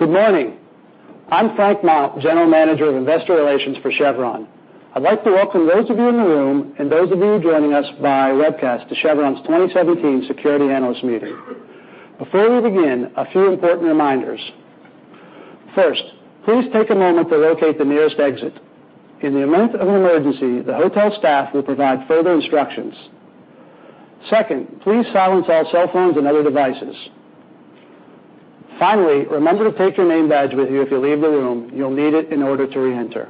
Good morning. I'm Frank Mount, General Manager of Investor Relations for Chevron. I'd like to welcome those of you in the room and those of you who are joining us by webcast to Chevron's 2017 Security Analyst Meeting. Before we begin, a few important reminders. First, please take a moment to locate the nearest exit. In the event of an emergency, the hotel staff will provide further instructions. Second, please silence all cell phones and other devices. Finally, remember to take your name badge with you if you leave the room. You'll need it in order to re-enter.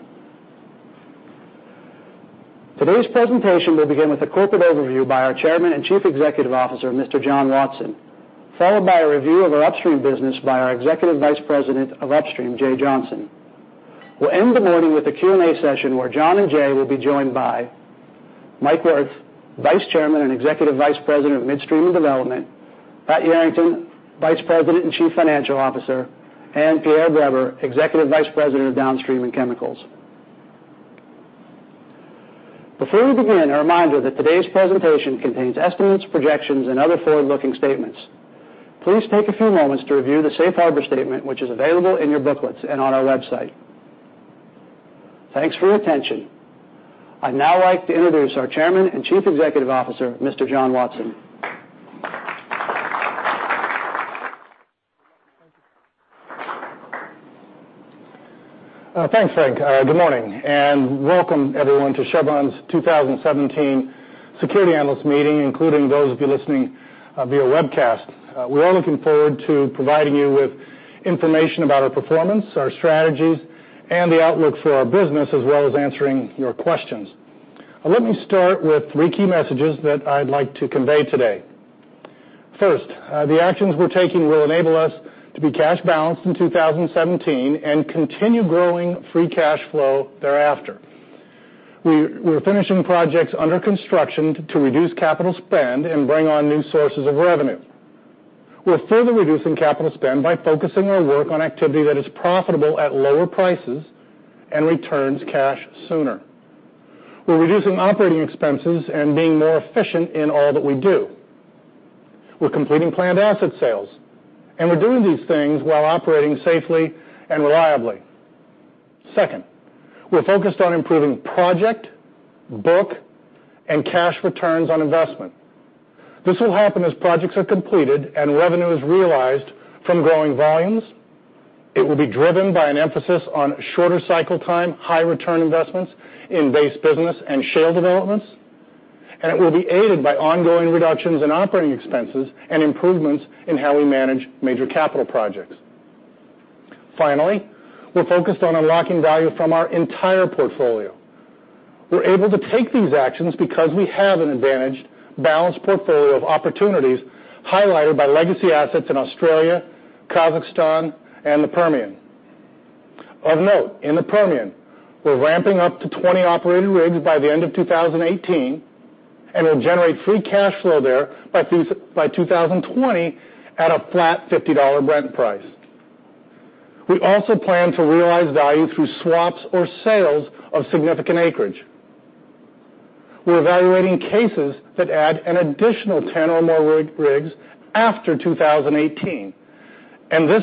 Today's presentation will begin with a corporate overview by our Chairman and Chief Executive Officer, Mr. John Watson, followed by a review of our Upstream business by our Executive Vice President of Upstream, Jay Johnson. We'll end the morning with a Q&A session where John and Jay will be joined by Mike Wirth, Vice Chairman and Executive Vice President of Midstream and Development, Pat Yarrington, Vice President and Chief Financial Officer, and Pierre Breber, Executive Vice President of Downstream and Chemicals. Before we begin, a reminder that today's presentation contains estimates, projections, and other forward-looking statements. Please take a few moments to review the safe harbor statement, which is available in your booklets and on our website. Thanks for your attention. I'd now like to introduce our Chairman and Chief Executive Officer, Mr. John Watson. Thanks, Frank. Good morning, and welcome everyone to Chevron's 2017 Security Analyst Meeting, including those of you listening via webcast. We're all looking forward to providing you with information about our performance, our strategies, and the outlook for our business, as well as answering your questions. Let me start with three key messages that I'd like to convey today. First, the actions we're taking will enable us to be cash balanced in 2017 and continue growing free cash flow thereafter. We're finishing projects under construction to reduce capital spend and bring on new sources of revenue. We're further reducing capital spend by focusing our work on activity that is profitable at lower prices and returns cash sooner. We're reducing operating expenses and being more efficient in all that we do. We're completing planned asset sales, and we're doing these things while operating safely and reliably. Second, we're focused on improving project, book, and cash returns on investment. This will happen as projects are completed and revenue is realized from growing volumes. It will be driven by an emphasis on shorter cycle time, high return investments in base business and share developments, and it will be aided by ongoing reductions in operating expenses and improvements in how we manage major capital projects. Finally, we're focused on unlocking value from our entire portfolio. We're able to take these actions because we have an advantaged, balanced portfolio of opportunities highlighted by legacy assets in Australia, Kazakhstan, and the Permian. Of note, in the Permian, we're ramping up to 20 operated rigs by the end of 2018, and we'll generate free cash flow there by 2020 at a flat $50 Brent price. We also plan to realize value through swaps or sales of significant acreage. We're evaluating cases that add an additional 10 or more rigs after 2018, and these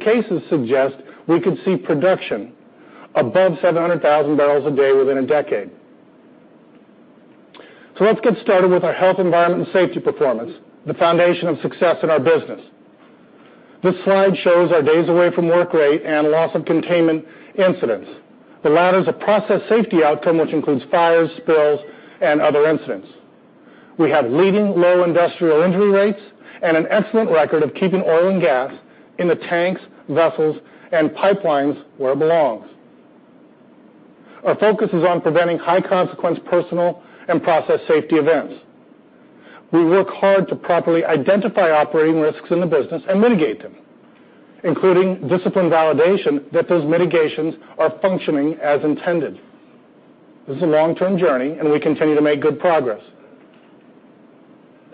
cases suggest we could see production above 700,000 barrels a day within a decade. Let's get started with our health, environment, and safety performance, the foundation of success in our business. This slide shows our days away from work rate and loss of containment incidents. The latter is a process safety outcome, which includes fires, spills, and other incidents. We have leading low industrial injury rates and an excellent record of keeping oil and gas in the tanks, vessels, and pipelines where it belongs. Our focus is on preventing high-consequence personal and process safety events. We work hard to properly identify operating risks in the business and mitigate them, including disciplined validation that those mitigations are functioning as intended. This is a long-term journey. We continue to make good progress.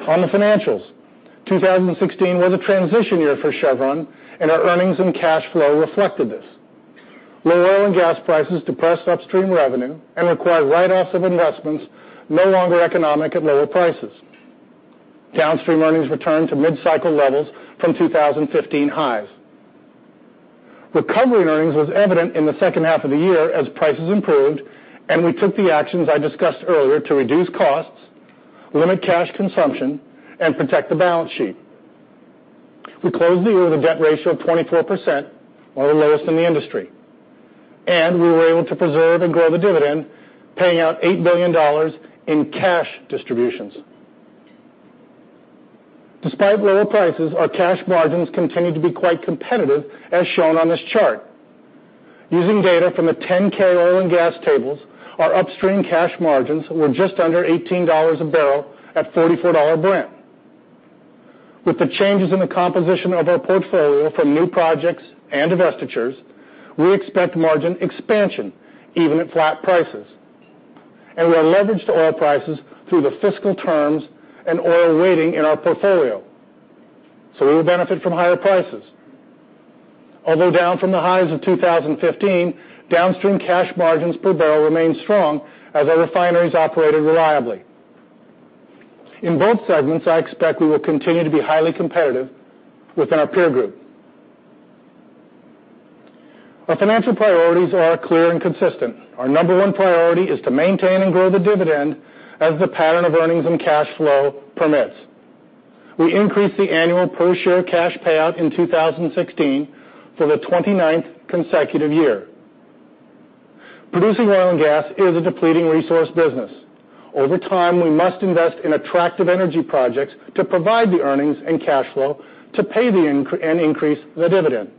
On the financials, 2016 was a transition year for Chevron. Our earnings and cash flow reflected this. Low oil and gas prices depressed upstream revenue and required write-offs of investments no longer economic at lower prices. Downstream earnings returned to mid-cycle levels from 2015 highs. Recovery earnings was evident in the second half of the year as prices improved. We took the actions I discussed earlier to reduce costs, limit cash consumption, and protect the balance sheet. We closed the year with a debt ratio of 24%, one of the lowest in the industry. We were able to preserve and grow the dividend, paying out $8 billion in cash distributions. Despite lower prices, our cash margins continued to be quite competitive, as shown on this chart. Using data from the 10-K oil and gas tables, our upstream cash margins were just under $18 a barrel at $44 Brent. With the changes in the composition of our portfolio from new projects and divestitures, we expect margin expansion, even at flat prices. We are leveraged to oil prices through the fiscal terms and oil weighting in our portfolio. We will benefit from higher prices. Although down from the highs of 2015, downstream cash margins per barrel remain strong as our refineries operate reliably. In both segments, I expect we will continue to be highly competitive within our peer group. Our financial priorities are clear and consistent. Our number 1 priority is to maintain and grow the dividend as the pattern of earnings and cash flow permits. We increased the annual per share cash payout in 2016 for the 29th consecutive year. Producing oil and gas is a depleting resource business. Over time, we must invest in attractive energy projects to provide the earnings and cash flow to increase the dividend.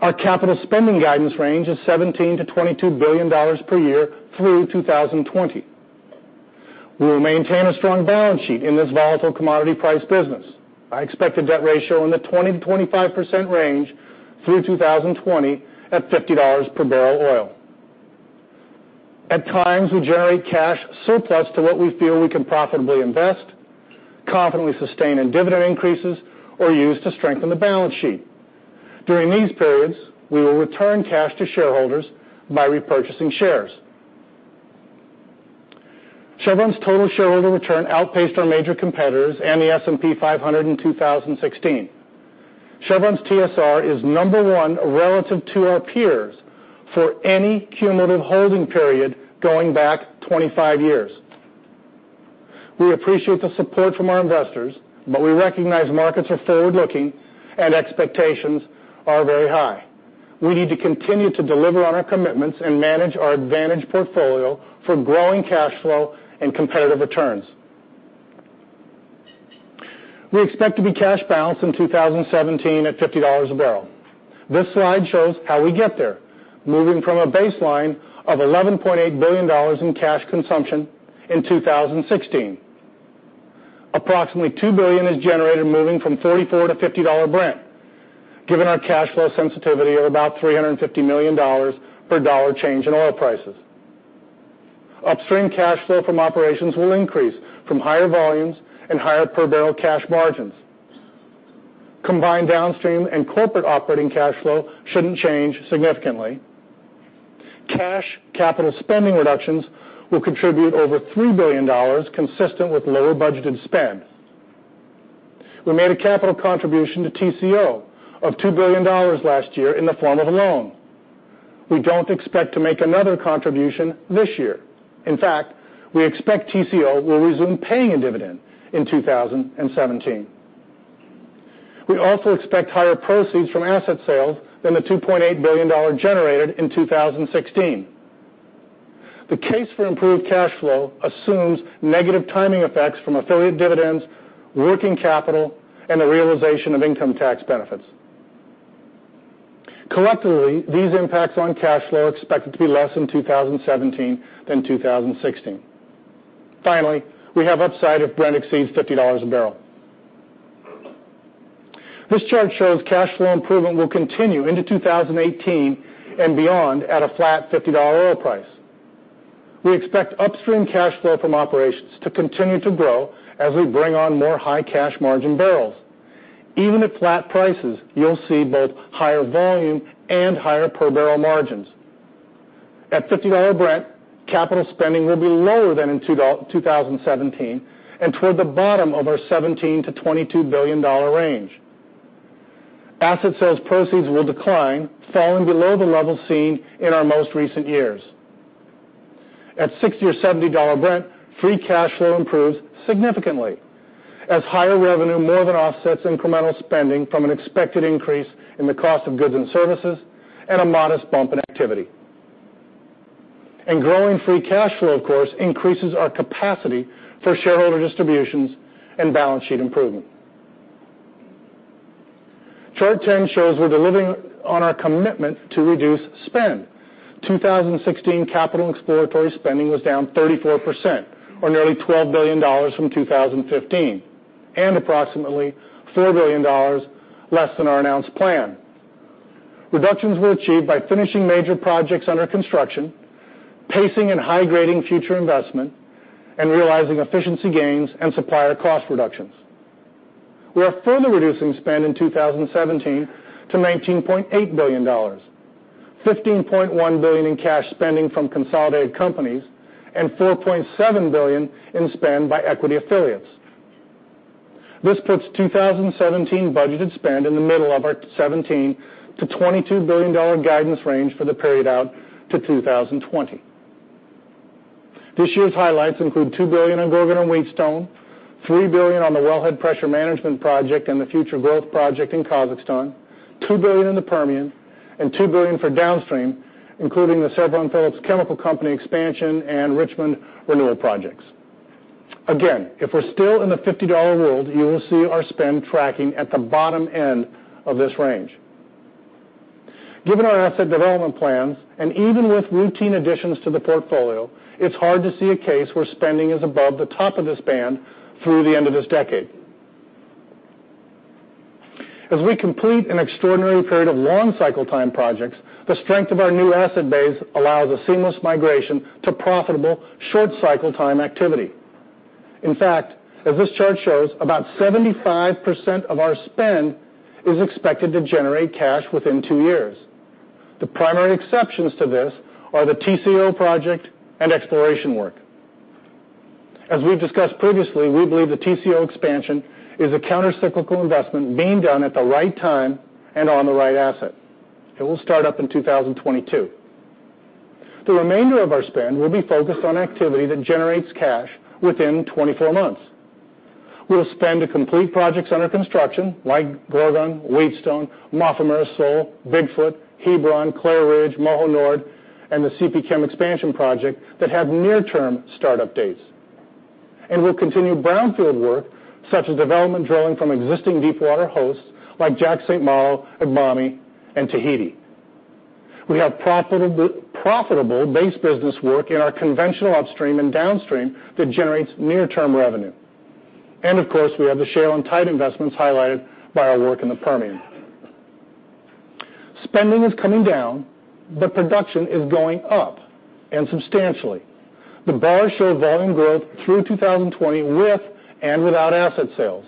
Our capital spending guidance range is $17 billion-$22 billion per year through 2020. We will maintain a strong balance sheet in this volatile commodity price business. I expect a debt ratio in the 20%-25% range through 2020 at $50 per barrel oil. At times, we generate cash surplus to what we feel we can profitably invest, confidently sustain in dividend increases, or use to strengthen the balance sheet. During these periods, we will return cash to shareholders by repurchasing shares. Chevron's total shareholder return outpaced our major competitors and the S&P 500 in 2016. Chevron's TSR is number 1 relative to our peers for any cumulative holding period going back 25 years. We appreciate the support from our investors, but we recognize markets are forward-looking and expectations are very high. We need to continue to deliver on our commitments and manage our advantage portfolio for growing cash flow and competitive returns. We expect to be cash balanced in 2017 at $50 a barrel. This slide shows how we get there, moving from a baseline of $11.8 billion in cash consumption in 2016. Approximately $2 billion is generated moving from $44 to $50 Brent, given our cash flow sensitivity of about $350 million per $ change in oil prices. Upstream cash flow from operations will increase from higher volumes and higher per barrel cash margins. Combined downstream and corporate operating cash flow shouldn't change significantly. Cash capital spending reductions will contribute over $3 billion consistent with lower budgeted spend. We made a capital contribution to TCO of $2 billion last year in the form of a loan. We don't expect to make another contribution this year. In fact, we expect TCO will resume paying a dividend in 2017. We also expect higher proceeds from asset sales than the $2.8 billion generated in 2016. The case for improved cash flow assumes negative timing effects from affiliate dividends, working capital, and the realization of income tax benefits. Collectively, these impacts on cash flow are expected to be less in 2017 than 2016. Finally, we have upside if Brent exceeds $50 a barrel. This chart shows cash flow improvement will continue into 2018 and beyond at a flat $50 oil price. We expect upstream cash flow from operations to continue to grow as we bring on more high cash margin barrels. Even at flat prices, you'll see both higher volume and higher per barrel margins. At $50 Brent, capital spending will be lower than in 2017 and toward the bottom of our $17 billion-$22 billion range. Asset sales proceeds will decline, falling below the level seen in our most recent years. At $60 or $70 Brent, free cash flow improves significantly as higher revenue more than offsets incremental spending from an expected increase in the cost of goods and services and a modest bump in activity. Growing free cash flow, of course, increases our capacity for shareholder distributions and balance sheet improvement. Chart 10 shows we're delivering on our commitment to reduce spend. 2016 capital exploratory spending was down 34%, or nearly $12 billion from 2015, and approximately $4 billion less than our announced plan. Reductions were achieved by finishing major projects under construction, pacing and high-grading future investment, and realizing efficiency gains and supplier cost reductions. We are further reducing spend in 2017 to $19.8 billion, $15.1 billion in cash spending from consolidated companies and $4.7 billion in spend by equity affiliates. This puts 2017 budgeted spend in the middle of our $17 billion-$22 billion guidance range for the period out to 2020. This year's highlights include $2 billion on Gorgon and Wheatstone, $3 billion on the Wellhead Pressure Management Project and the Future Growth Project in Kazakhstan, $2 billion in the Permian, and $2 billion for downstream, including the Chevron Phillips Chemical Company expansion and Richmond renewal projects. Again, if we're still in the $50 world, you will see our spend tracking at the bottom end of this range. Given our asset development plans and even with routine additions to the portfolio, it's hard to see a case where spending is above the top of this band through the end of this decade. As we complete an extraordinary period of long cycle time projects, the strength of our new asset base allows a seamless migration to profitable short cycle time activity. In fact, as this chart shows, about 75% of our spend is expected to generate cash within two years. The primary exceptions to this are the TCO project and exploration work. As we've discussed previously, we believe the TCO expansion is a counter-cyclical investment being done at the right time and on the right asset. It will start up in 2022. The remainder of our spend will be focused on activity that generates cash within 24 months. We'll spend to complete projects under construction, like Gorgon, Wheatstone, Mafumeira Sul, Big Foot, Hebron, Clair Ridge, Moho Nord, and the CPChem Expansion project that have near-term start-up dates. We'll continue brownfield work, such as development drilling from existing deepwater hosts like Jack/St. Malo, Agbami, and Tahiti. We have profitable base business work in our conventional upstream and downstream that generates near-term revenue. Of course, we have the shale and tight investments highlighted by our work in the Permian. Spending is coming down, but production is going up, and substantially. The bars show volume growth through 2020, with and without asset sales.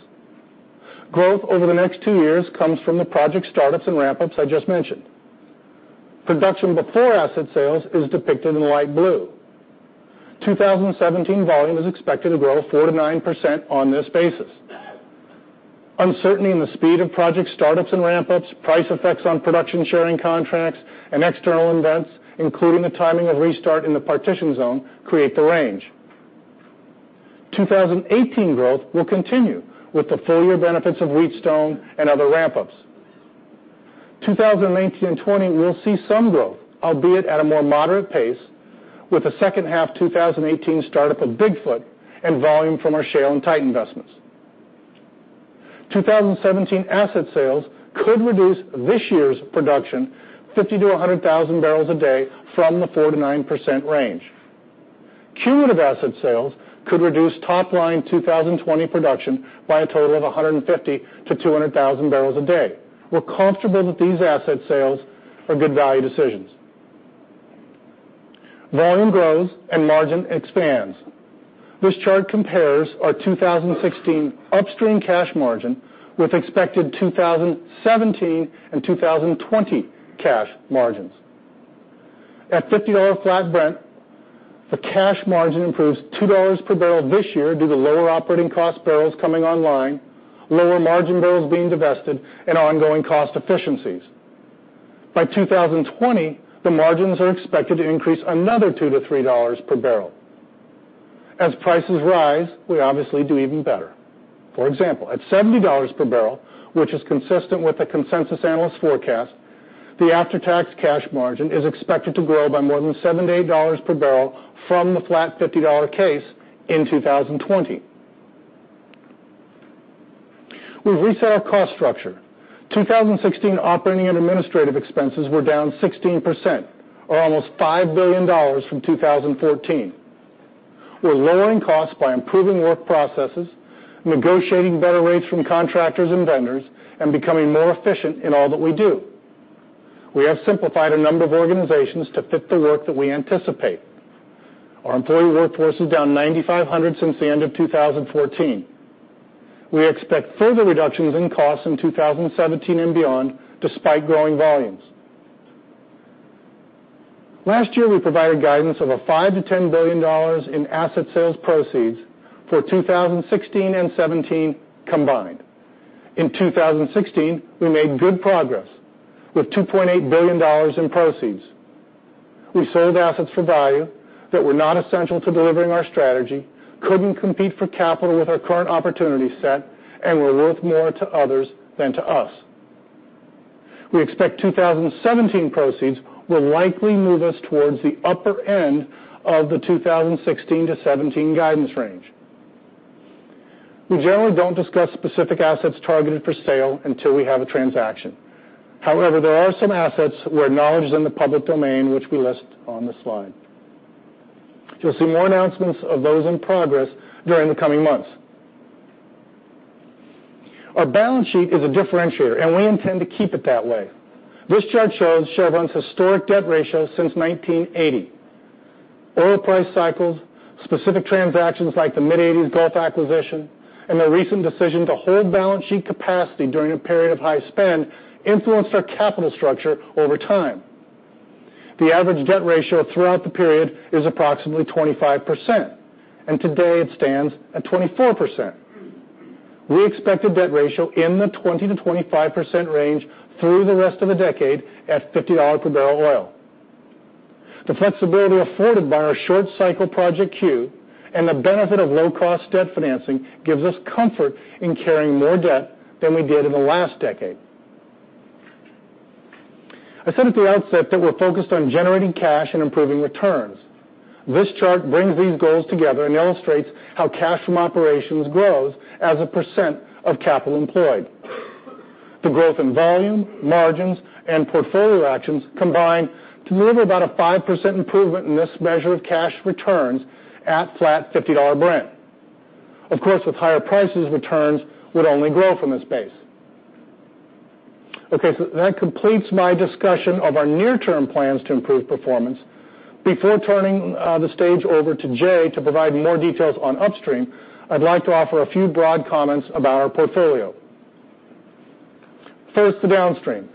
Growth over the next two years comes from the project start-ups and ramp-ups I just mentioned. Production before asset sales is depicted in light blue. 2017 volume is expected to grow 4%-9% on this basis. Uncertainty in the speed of project start-ups and ramp-ups, price effects on production sharing contracts, and external events, including the timing of restart in the Partitioned Zone, create the range. 2018 growth will continue with the full year benefits of Wheatstone and other ramp-ups. 2019 and 2020 will see some growth, albeit at a more moderate pace, with the second half 2018 start-up of Big Foot and volume from our shale and tight investments. 2017 asset sales could reduce this year's production 50,000-100,000 barrels a day from the 4%-9% range. Cumulative asset sales could reduce top line 2020 production by a total of 150,000-200,000 barrels a day. We're comfortable that these asset sales are good value decisions. Volume grows and margin expands. This chart compares our 2016 Upstream cash margin with expected 2017 and 2020 cash margins. At $50 flat Brent, the cash margin improves $2 per barrel this year due to lower operating cost barrels coming online, lower margin barrels being divested, and ongoing cost efficiencies. By 2020, the margins are expected to increase another $2-$3 per barrel. As prices rise, we obviously do even better. For example, at $70 per barrel, which is consistent with the consensus analyst forecast, the after-tax cash margin is expected to grow by more than $7-$8 per barrel from the flat $50 case in 2020. We've reset our cost structure. 2016 operating and administrative expenses were down 16%, or almost $5 billion from 2014. We're lowering costs by improving work processes, negotiating better rates from contractors and vendors, and becoming more efficient in all that we do. We have simplified a number of organizations to fit the work that we anticipate. Our employee workforce is down 9,500 since the end of 2014. We expect further reductions in costs in 2017 and beyond, despite growing volumes. Last year, we provided guidance of a $5 billion-$10 billion in asset sales proceeds for 2016 and 2017 combined. In 2016, we made good progress with $2.8 billion in proceeds. We sold assets for value that were not essential to delivering our strategy, couldn't compete for capital with our current opportunity set, and were worth more to others than to us. We expect 2017 proceeds will likely move us towards the upper end of the 2016 to 2017 guidance range. We generally don't discuss specific assets targeted for sale until we have a transaction. However, there are some assets where knowledge is in the public domain, which we list on this slide. You'll see more announcements of those in progress during the coming months. Our balance sheet is a differentiator, and we intend to keep it that way. This chart shows Chevron's historic debt ratio since 1980. Oil price cycles, specific transactions like the mid-'80s Gulf acquisition, and the recent decision to hold balance sheet capacity during a period of high spend influenced our capital structure over time. The average debt ratio throughout the period is approximately 25%, and today it stands at 24%. We expect the debt ratio in the 20%-25% range through the rest of the decade at $50 per barrel oil. The flexibility afforded by our short cycle project queue and the benefit of low-cost debt financing gives us comfort in carrying more debt than we did in the last decade. I said at the outset that we're focused on generating cash and improving returns. This chart brings these goals together and illustrates how cash from operations grows as a % of capital employed. The growth in volume, margins, and portfolio actions combine to deliver about a 5% improvement in this measure of cash returns at flat $50 Brent. Of course, with higher prices, returns would only grow from this base. That completes my discussion of our near-term plans to improve performance. Before turning the stage over to Jay to provide more details on upstream, I'd like to offer a few broad comments about our portfolio. First, the downstream.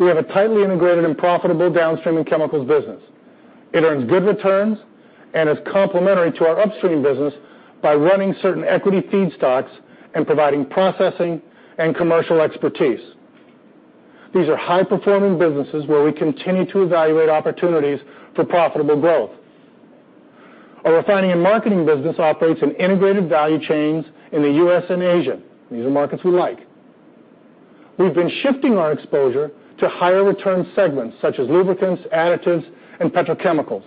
We have a tightly integrated and profitable downstream in chemicals business. It earns good returns and is complementary to our upstream business by running certain equity feedstocks and providing processing and commercial expertise. These are high-performing businesses where we continue to evaluate opportunities for profitable growth. Our refining and marketing business operates in integrated value chains in the U.S. and Asia. These are markets we like. We've been shifting our exposure to higher return segments such as lubricants, additives, and petrochemicals.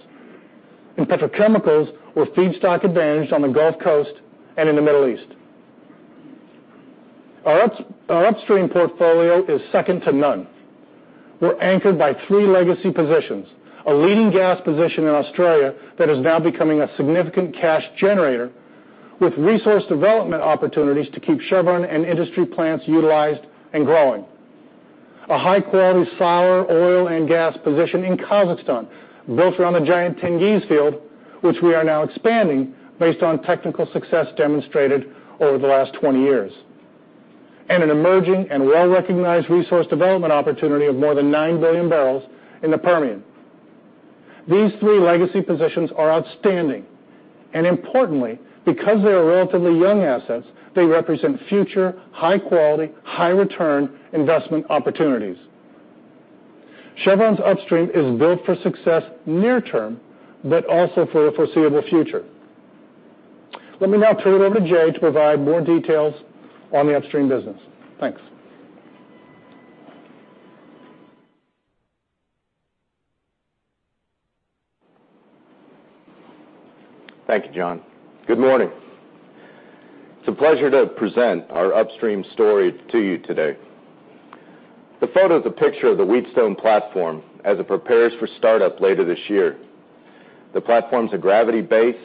In petrochemicals, we're feedstock advantaged on the Gulf Coast and in the Middle East. Our upstream portfolio is second to none. We're anchored by three legacy positions, a leading gas position in Australia that is now becoming a significant cash generator with resource development opportunities to keep Chevron and industry plants utilized and growing. A high-quality sour oil and gas position in Kazakhstan, built around the giant Tengiz field, which we are now expanding based on technical success demonstrated over the last 20 years, and an emerging and well-recognized resource development opportunity of more than nine billion barrels in the Permian. These three legacy positions are outstanding. Importantly, because they are relatively young assets, they represent future high quality, high return investment opportunities. Chevron's upstream is built for success near term, also for the foreseeable future. Let me now turn it over to Jay to provide more details on the upstream business. Thanks. Thank you, John. Good morning. It's a pleasure to present our upstream story to you today. The photo is a picture of the Wheatstone platform as it prepares for startup later this year. The platform is a gravity base.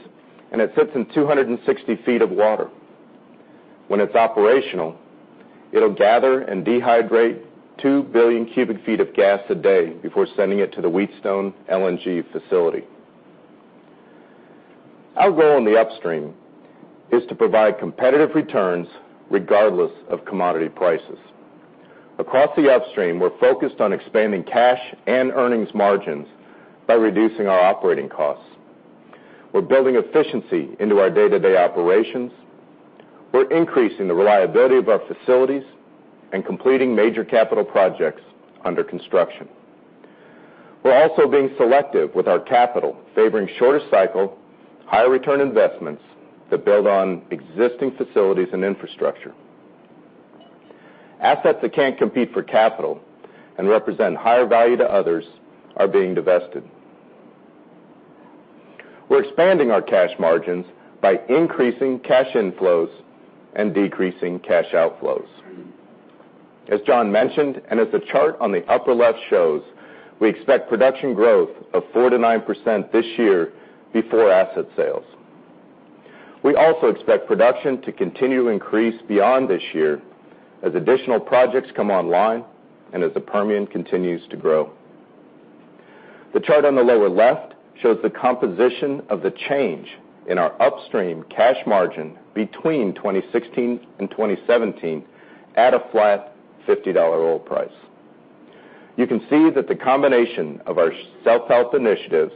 It sits in 260 feet of water. When it's operational, it'll gather and dehydrate two billion cubic feet of gas a day before sending it to the Wheatstone LNG facility. Our goal in the upstream is to provide competitive returns regardless of commodity prices. Across the upstream, we're focused on expanding cash and earnings margins by reducing our operating costs. We're building efficiency into our day-to-day operations. We're increasing the reliability of our facilities and completing major capital projects under construction. We're also being selective with our capital, favoring shorter cycle, higher return investments that build on existing facilities and infrastructure. Assets that can't compete for capital represent higher value to others are being divested. We're expanding our cash margins by increasing cash inflows and decreasing cash outflows. As John mentioned, as the chart on the upper left shows, we expect production growth of 4%-9% this year before asset sales. We also expect production to continue to increase beyond this year as additional projects come online as the Permian continues to grow. The chart on the lower left shows the composition of the change in our upstream cash margin between 2016 and 2017 at a flat $50 oil price. You can see that the combination of our self-help initiatives,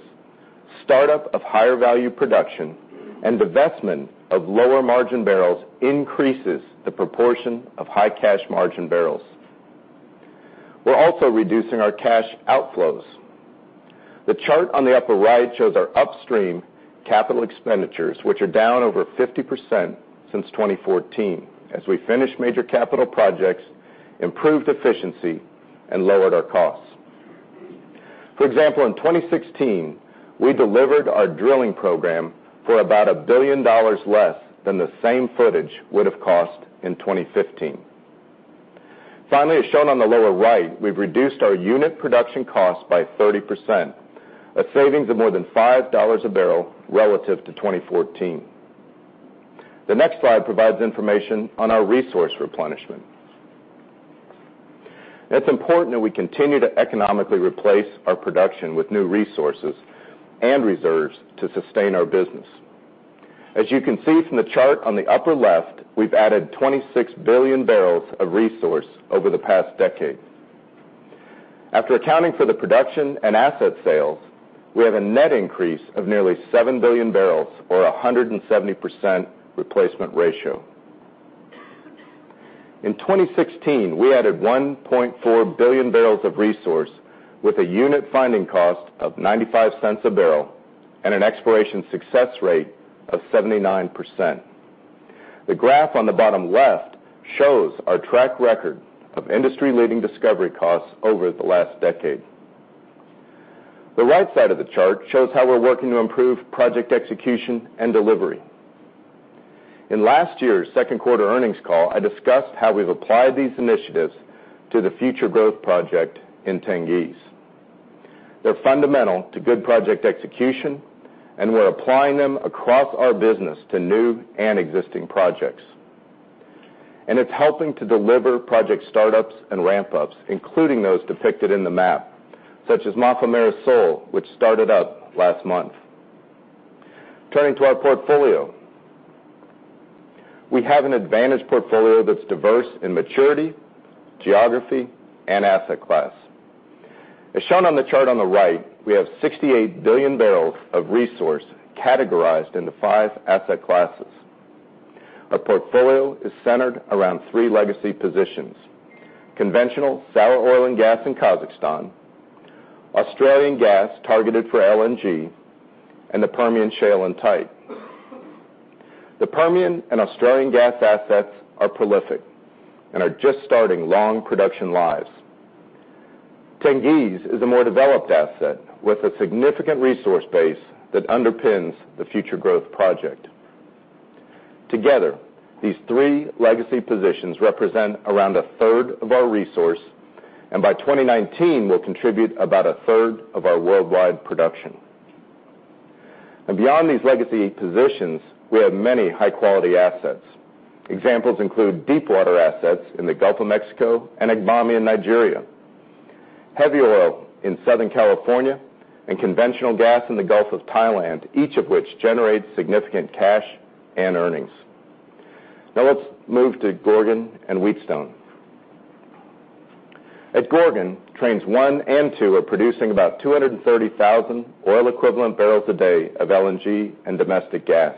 startup of higher value production, and divestment of lower margin barrels increases the proportion of high cash margin barrels. We're also reducing our cash outflows. The chart on the upper right shows our upstream capital expenditures, which are down over 50% since 2014 as we finished major capital projects, improved efficiency, lowered our costs. For example, in 2016, we delivered our drilling program for about $1 billion less than the same footage would have cost in 2015. Finally, as shown on the lower right, we've reduced our unit production costs by 30%, a savings of more than $5 a barrel relative to 2014. The next slide provides information on our resource replenishment. It's important that we continue to economically replace our production with new resources and reserves to sustain our business. As you can see from the chart on the upper left, we've added 26 billion barrels of resource over the past decade. After accounting for the production and asset sales, we have a net increase of nearly 7 billion barrels or 170% replacement ratio. In 2016, we added 1.4 billion barrels of resource with a unit finding cost of $0.95 a barrel and an exploration success rate of 79%. The graph on the bottom left shows our track record of industry-leading discovery costs over the last decade. The right side of the chart shows how we're working to improve project execution and delivery. In last year's second quarter earnings call, I discussed how we've applied these initiatives to the Future Growth Project in Tengiz. They're fundamental to good project execution, and we're applying them across our business to new and existing projects. It's helping to deliver project startups and ramp-ups, including those depicted in the map, such as Mafumeira Sul, which started up last month. Turning to our portfolio. We have an advantage portfolio that's diverse in maturity, geography, and asset class. As shown on the chart on the right, we have 68 billion barrels of resource categorized into 5 asset classes. Our portfolio is centered around 3 legacy positions, conventional oil and gas in Kazakhstan, Australian gas targeted for LNG, and the Permian shale and tight. The Permian and Australian gas assets are prolific and are just starting long production lives. Tengiz is a more developed asset with a significant resource base that underpins the Future Growth Project. Together, these 3 legacy positions represent around a third of our resource, and by 2019 will contribute about a third of our worldwide production. Beyond these legacy positions, we have many high-quality assets. Examples include deepwater assets in the Gulf of Mexico and Agbami in Nigeria, heavy oil in Southern California, and conventional gas in the Gulf of Thailand, each of which generates significant cash and earnings. Let's move to Gorgon and Wheatstone. At Gorgon, Trains 1 and 2 are producing about 230,000 oil equivalent barrels a day of LNG and domestic gas.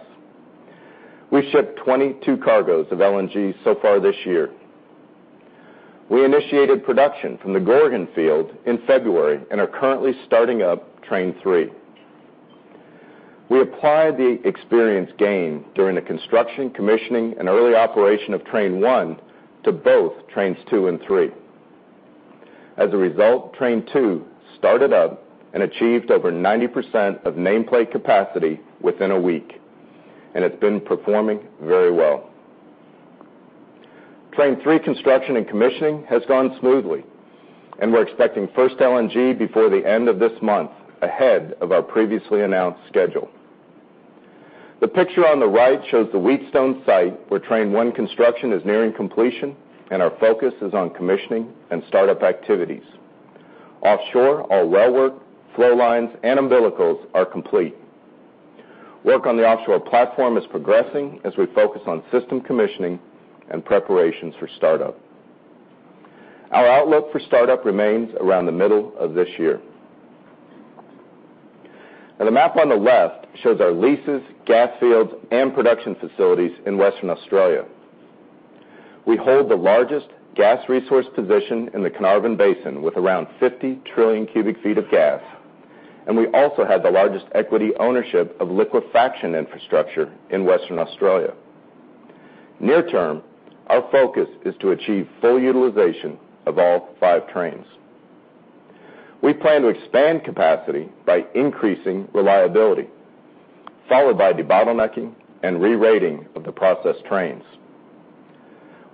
We shipped 22 cargoes of LNG so far this year. We initiated production from the Gorgon field in February and are currently starting up Train 3. We applied the experience gained during the construction, commissioning, and early operation of Train 1 to both Trains 2 and 3. As a result, Train 2 started up and achieved over 90% of nameplate capacity within a week, it's been performing very well. Train 3 construction and commissioning has gone smoothly, we're expecting first LNG before the end of this month, ahead of our previously announced schedule. The picture on the right shows the Wheatstone site, where Train 1 construction is nearing completion, our focus is on commissioning and startup activities. Offshore, all well work, flow lines, and umbilicals are complete. Work on the offshore platform is progressing as we focus on system commissioning and preparations for startup. Our outlook for startup remains around the middle of this year. The map on the left shows our leases, gas fields, and production facilities in Western Australia. We hold the largest gas resource position in the Carnarvon Basin with around 50 trillion cubic feet of gas, we also have the largest equity ownership of liquefaction infrastructure in Western Australia. Near term, our focus is to achieve full utilization of all five trains. We plan to expand capacity by increasing reliability, followed by debottlenecking and rerating of the process trains.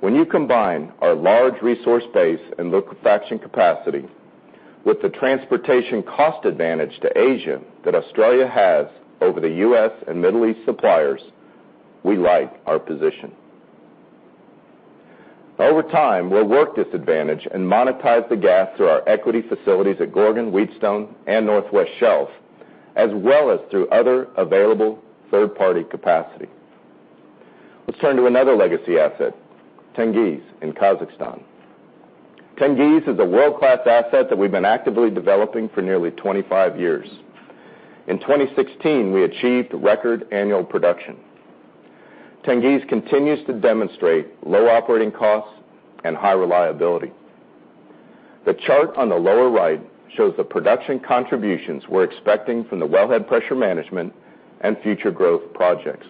When you combine our large resource base and liquefaction capacity with the transportation cost advantage to Asia that Australia has over the U.S. and Middle East suppliers, we like our position. Over time, we'll work this advantage and monetize the gas through our equity facilities at Gorgon, Wheatstone, and North West Shelf, as well as through other available third-party capacity. Let's turn to another legacy asset, Tengiz in Kazakhstan. Tengiz is a world-class asset that we've been actively developing for nearly 25 years. In 2016, we achieved record annual production. Tengiz continues to demonstrate low operating costs and high reliability. The chart on the lower right shows the production contributions we're expecting from the Wellhead Pressure Management and Future Growth projects.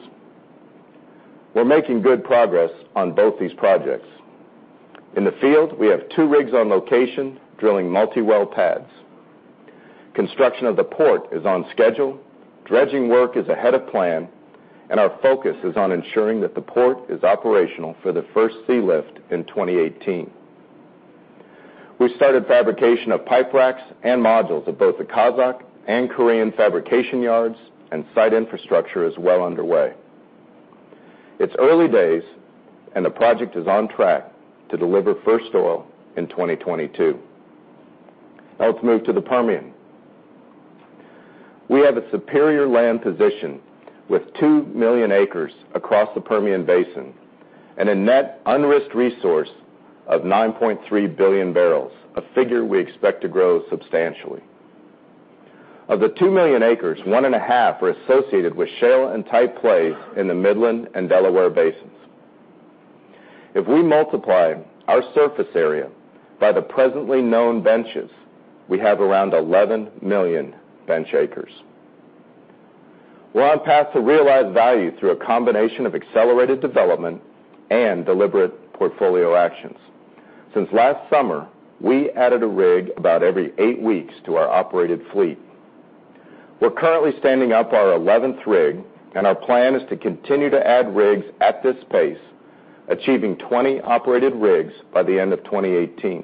We're making good progress on both these projects. In the field, we have two rigs on location, drilling multi-well pads. Construction of the port is on schedule, dredging work is ahead of plan, and our focus is on ensuring that the port is operational for the first sea lift in 2018. We started fabrication of pipe racks and modules at both the Kazakh and Korean fabrication yards, and site infrastructure is well underway. It's early days, and the project is on track to deliver first oil in 2022. Let's move to the Permian. We have a superior land position with two million acres across the Permian Basin and a net unrisked resource of 9.3 billion barrels, a figure we expect to grow substantially. Of the two million acres, one and a half are associated with shale and tight plays in the Midland and Delaware basins. If we multiply our surface area by the presently known benches, we have around 11 million bench acres. We're on path to realized value through a combination of accelerated development and deliberate portfolio actions. Since last summer, we added a rig about every eight weeks to our operated fleet. We're currently standing up our 11th rig, and our plan is to continue to add rigs at this pace, achieving 20 operated rigs by the end of 2018.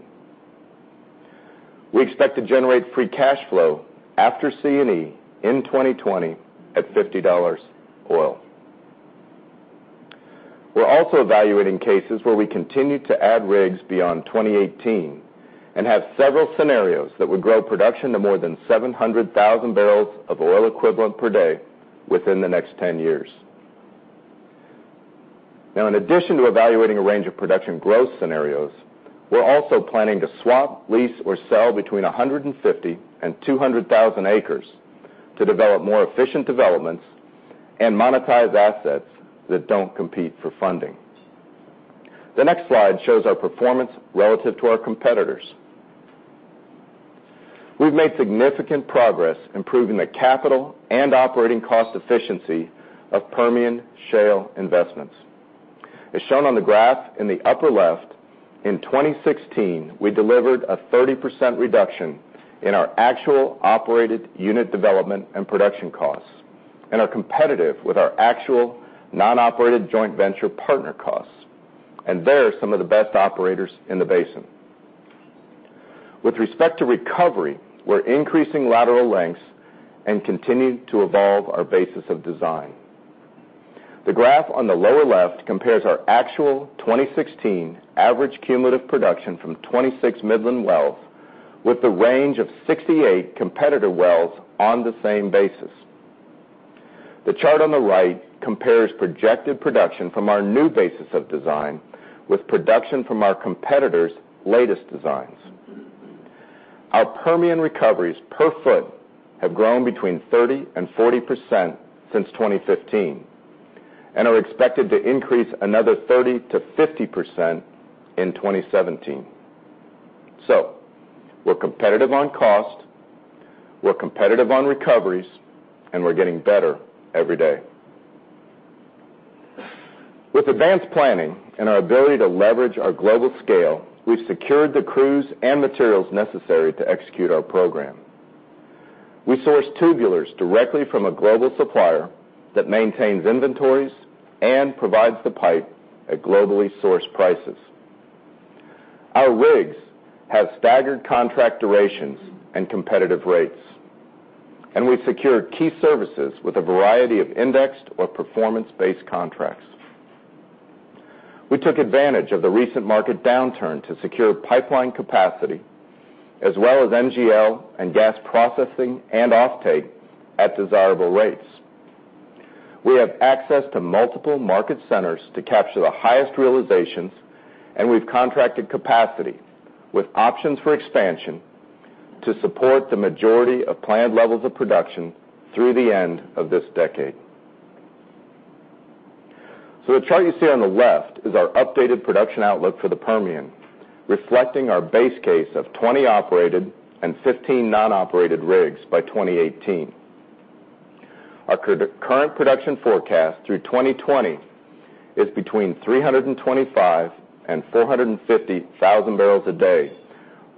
We expect to generate free cash flow after C&E in 2020 at $50 oil. We're also evaluating cases where we continue to add rigs beyond 2018 and have several scenarios that would grow production to more than 700,000 barrels of oil equivalent per day within the next 10 years. In addition to evaluating a range of production growth scenarios, we're also planning to swap, lease, or sell between 150,000 and 200,000 acres to develop more efficient developments and monetize assets that don't compete for funding. The next slide shows our performance relative to our competitors. We've made significant progress improving the capital and operating cost efficiency of Permian shale investments. As shown on the graph in the upper left, in 2016, we delivered a 30% reduction in our actual operated unit development and production costs and are competitive with our actual non-operated joint venture partner costs. They're some of the best operators in the basin. With respect to recovery, we're increasing lateral lengths and continuing to evolve our basis of design. The graph on the lower left compares our actual 2016 average cumulative production from 26 Midland wells with the range of 68 competitor wells on the same basis. The chart on the right compares projected production from our new basis of design with production from our competitors' latest designs. Our Permian recoveries per foot have grown between 30% and 40% since 2015 and are expected to increase another 30% to 50% in 2017. We're competitive on cost, we're competitive on recoveries, and we're getting better every day. With advanced planning and our ability to leverage our global scale, we've secured the crews and materials necessary to execute our program. We source tubulars directly from a global supplier that maintains inventories and provides the pipe at globally sourced prices. Our rigs have staggered contract durations and competitive rates. We've secured key services with a variety of indexed or performance-based contracts. We took advantage of the recent market downturn to secure pipeline capacity, as well as NGL and gas processing and offtake at desirable rates. We have access to multiple market centers to capture the highest realizations, and we've contracted capacity with options for expansion to support the majority of planned levels of production through the end of this decade. The chart you see on the left is our updated production outlook for the Permian, reflecting our base case of 20 operated and 15 non-operated rigs by 2018. Our current production forecast through 2020 is between 325,000 and 450,000 barrels a day,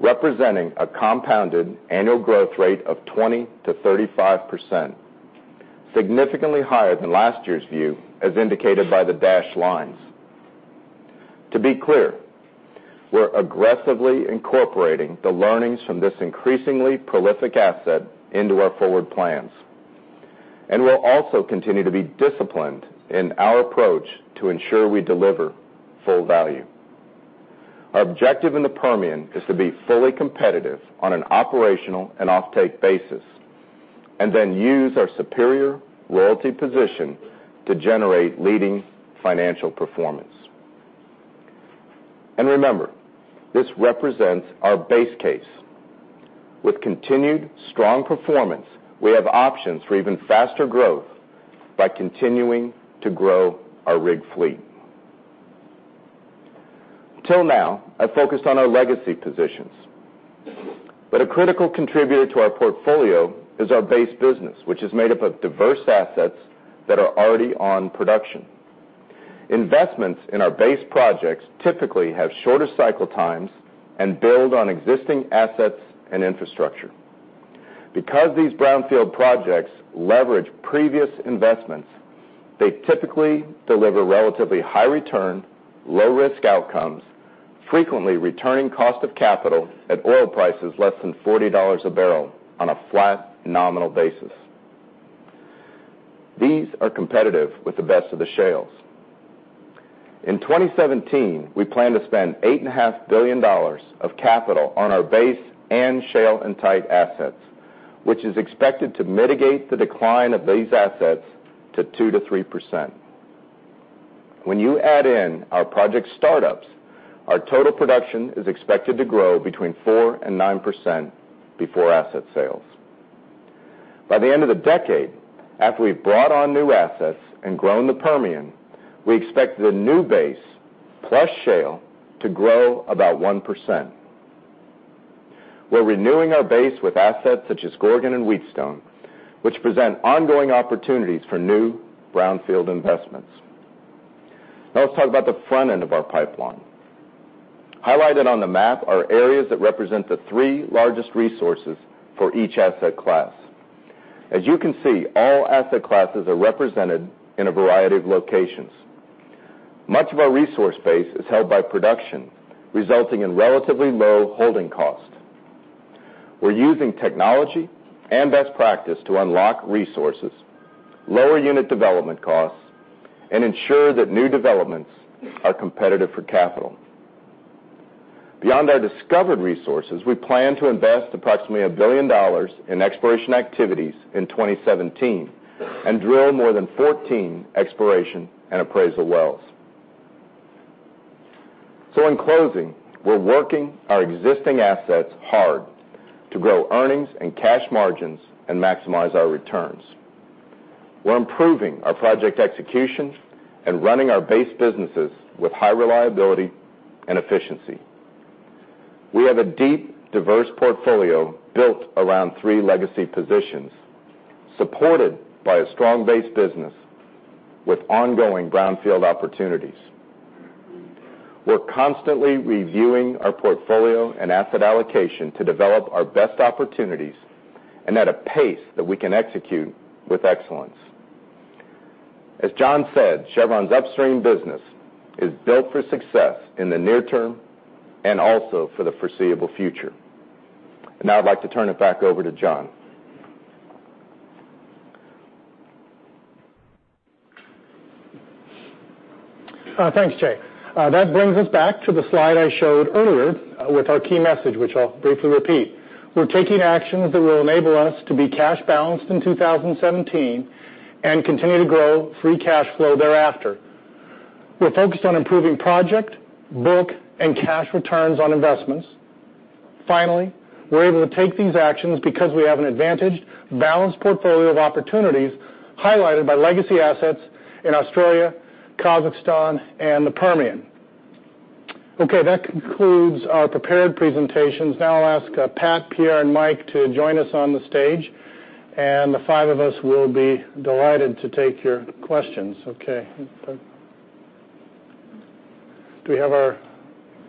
representing a compounded annual growth rate of 20%-35%, significantly higher than last year's view, as indicated by the dashed lines. To be clear, we're aggressively incorporating the learnings from this increasingly prolific asset into our forward plans. We'll also continue to be disciplined in our approach to ensure we deliver full value. Our objective in the Permian is to be fully competitive on an operational and offtake basis, and then use our superior royalty position to generate leading financial performance. Remember, this represents our base case. With continued strong performance, we have options for even faster growth by continuing to grow our rig fleet. Until now, I've focused on our legacy positions. A critical contributor to our portfolio is our base business, which is made up of diverse assets that are already on production. Investments in our base projects typically have shorter cycle times and build on existing assets and infrastructure. Because these brownfield projects leverage previous investments, they typically deliver relatively high return, low risk outcomes, frequently returning cost of capital at oil prices less than $40 a barrel on a flat nominal basis. These are competitive with the best of the shales. In 2017, we plan to spend $8.5 billion of capital on our base and shale and tight assets, which is expected to mitigate the decline of these assets to 2%-3%. When you add in our project startups, our total production is expected to grow between 4% and 9% before asset sales. By the end of the decade, after we've brought on new assets and grown the Permian, we expect the new base, plus shale, to grow about 1%. We're renewing our base with assets such as Gorgon and Wheatstone, which present ongoing opportunities for new brownfield investments. Let's talk about the front end of our pipeline. Highlighted on the map are areas that represent the three largest resources for each asset class. As you can see, all asset classes are represented in a variety of locations. Much of our resource base is held by production, resulting in relatively low holding cost. We're using technology and best practice to unlock resources, lower unit development costs, and ensure that new developments are competitive for capital. Beyond our discovered resources, we plan to invest approximately $1 billion in exploration activities in 2017 and drill more than 14 exploration and appraisal wells. In closing, we're working our existing assets hard to grow earnings and cash margins and maximize our returns. We're improving our project execution and running our base businesses with high reliability and efficiency. We have a deep, diverse portfolio built around three legacy positions, supported by a strong base business with ongoing brownfield opportunities. We're constantly reviewing our portfolio and asset allocation to develop our best opportunities and at a pace that we can execute with excellence. As John said, Chevron's upstream business is built for success in the near term and also for the foreseeable future. I'd like to turn it back over to John. Thanks, Jay. That brings us back to the slide I showed earlier with our key message, which I'll briefly repeat. We're taking actions that will enable us to be cash balanced in 2017 and continue to grow free cash flow thereafter. We're focused on improving project, book, and cash returns on investments. Finally, we're able to take these actions because we have an advantaged, balanced portfolio of opportunities highlighted by legacy assets in Australia, Kazakhstan, and the Permian. That concludes our prepared presentations. I'll ask Pat, Pierre, and Mike to join us on the stage, and the five of us will be delighted to take your questions.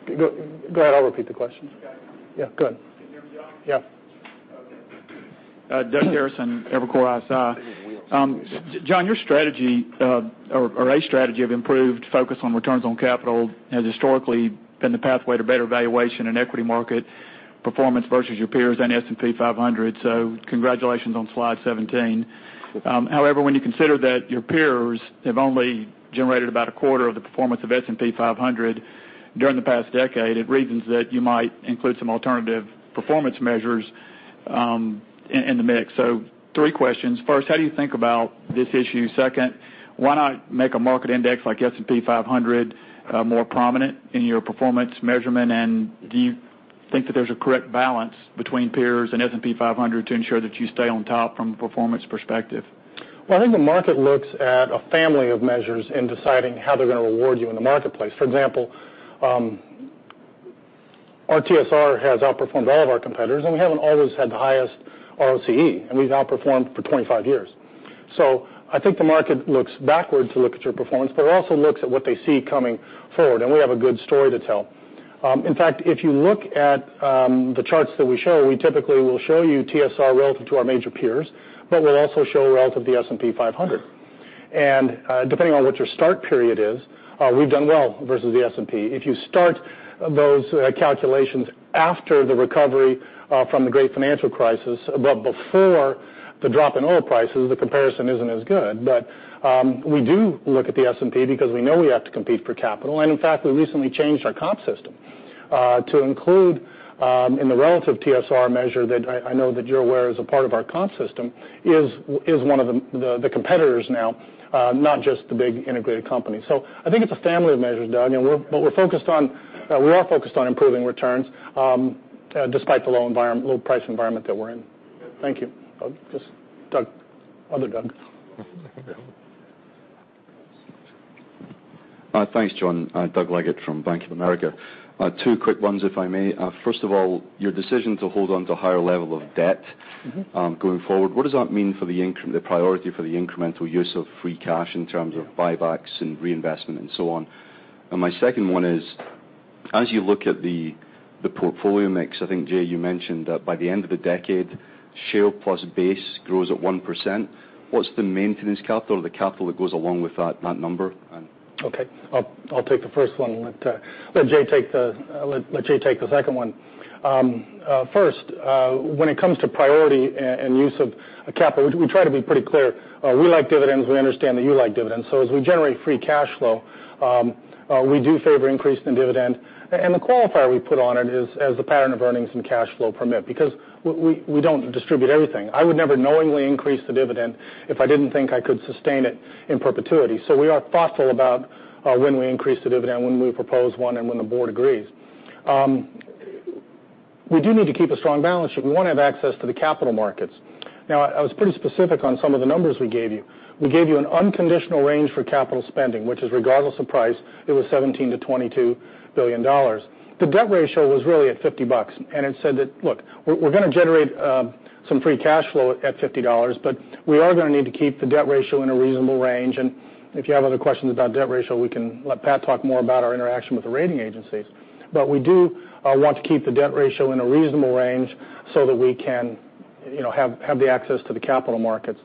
Go ahead, I'll repeat the question. Okay. Yeah, go ahead. Can you hear me, John? Yeah. Okay. Doug Terreson, Evercore ISI. John, your strategy or a strategy of improved focus on returns on capital has historically been the pathway to better valuation and equity market performance versus your peers and S&P 500. Congratulations on slide 17. However, when you consider that your peers have only generated about a quarter of the performance of S&P 500 during the past decade, it reasons that you might include some alternative performance measures in the mix. Three questions. First, how do you think about this issue? Second, why not make a market index like S&P 500 more prominent in your performance measurement? Do you think that there's a correct balance between peers and S&P 500 to ensure that you stay on top from a performance perspective? Well, I think the market looks at a family of measures in deciding how they're going to reward you in the marketplace. For example, our TSR has outperformed all of our competitors, and we haven't always had the highest ROCE, and we've outperformed for 25 years. I think the market looks backwards to look at your performance, but it also looks at what they see coming forward, and we have a good story to tell. In fact, if you look at the charts that we show, we typically will show you TSR relative to our major peers, but we'll also show relative to the S&P 500. Depending on what your start period is, we've done well versus the S&P. If you start those calculations after the recovery from the great financial crisis, but before the drop in oil prices, the comparison isn't as good. We do look at the S&P because we know we have to compete for capital, and in fact, we recently changed our comp system to include in the relative TSR measure that I know that you're aware is a part of our comp system is one of the competitors now, not just the big integrated company. I think it's a family of measures, Doug, but we're all focused on improving returns despite the low price environment that we're in. Thank you. Doug. Other Doug. Thanks, John. Doug Leggate from Bank of America. Two quick ones if I may. First of all, your decision to hold on to a higher level of debt going forward, what does that mean for the priority for the incremental use of free cash in terms of buybacks and reinvestment and so on? My second one is, as you look at the portfolio mix, I think, Jay, you mentioned that by the end of the decade, shale plus base grows at 1%. What's the maintenance capital or the capital that goes along with that number? Okay. I'll take the first one and let Jay take the second one. First, when it comes to priority and use of capital, we try to be pretty clear. We like dividends. We understand that you like dividends. As we generate free cash flow, we do favor increase in dividend. The qualifier we put on it is as the pattern of earnings and cash flow permit, because we don't distribute everything. I would never knowingly increase the dividend if I didn't think I could sustain it in perpetuity. We are thoughtful about when we increase the dividend, when we propose one, and when the board agrees. We do need to keep a strong balance sheet. We want to have access to the capital markets. I was pretty specific on some of the numbers we gave you. We gave you an unconditional range for capital spending, which is regardless of price, it was $17 billion-$22 billion. The debt ratio was really at $50, it said that, look, we're going to generate some free cash flow at $50, we are going to need to keep the debt ratio in a reasonable range. If you have other questions about debt ratio, we can let Pat talk more about our interaction with the rating agencies. We do want to keep the debt ratio in a reasonable range so that we can have the access to the capital markets.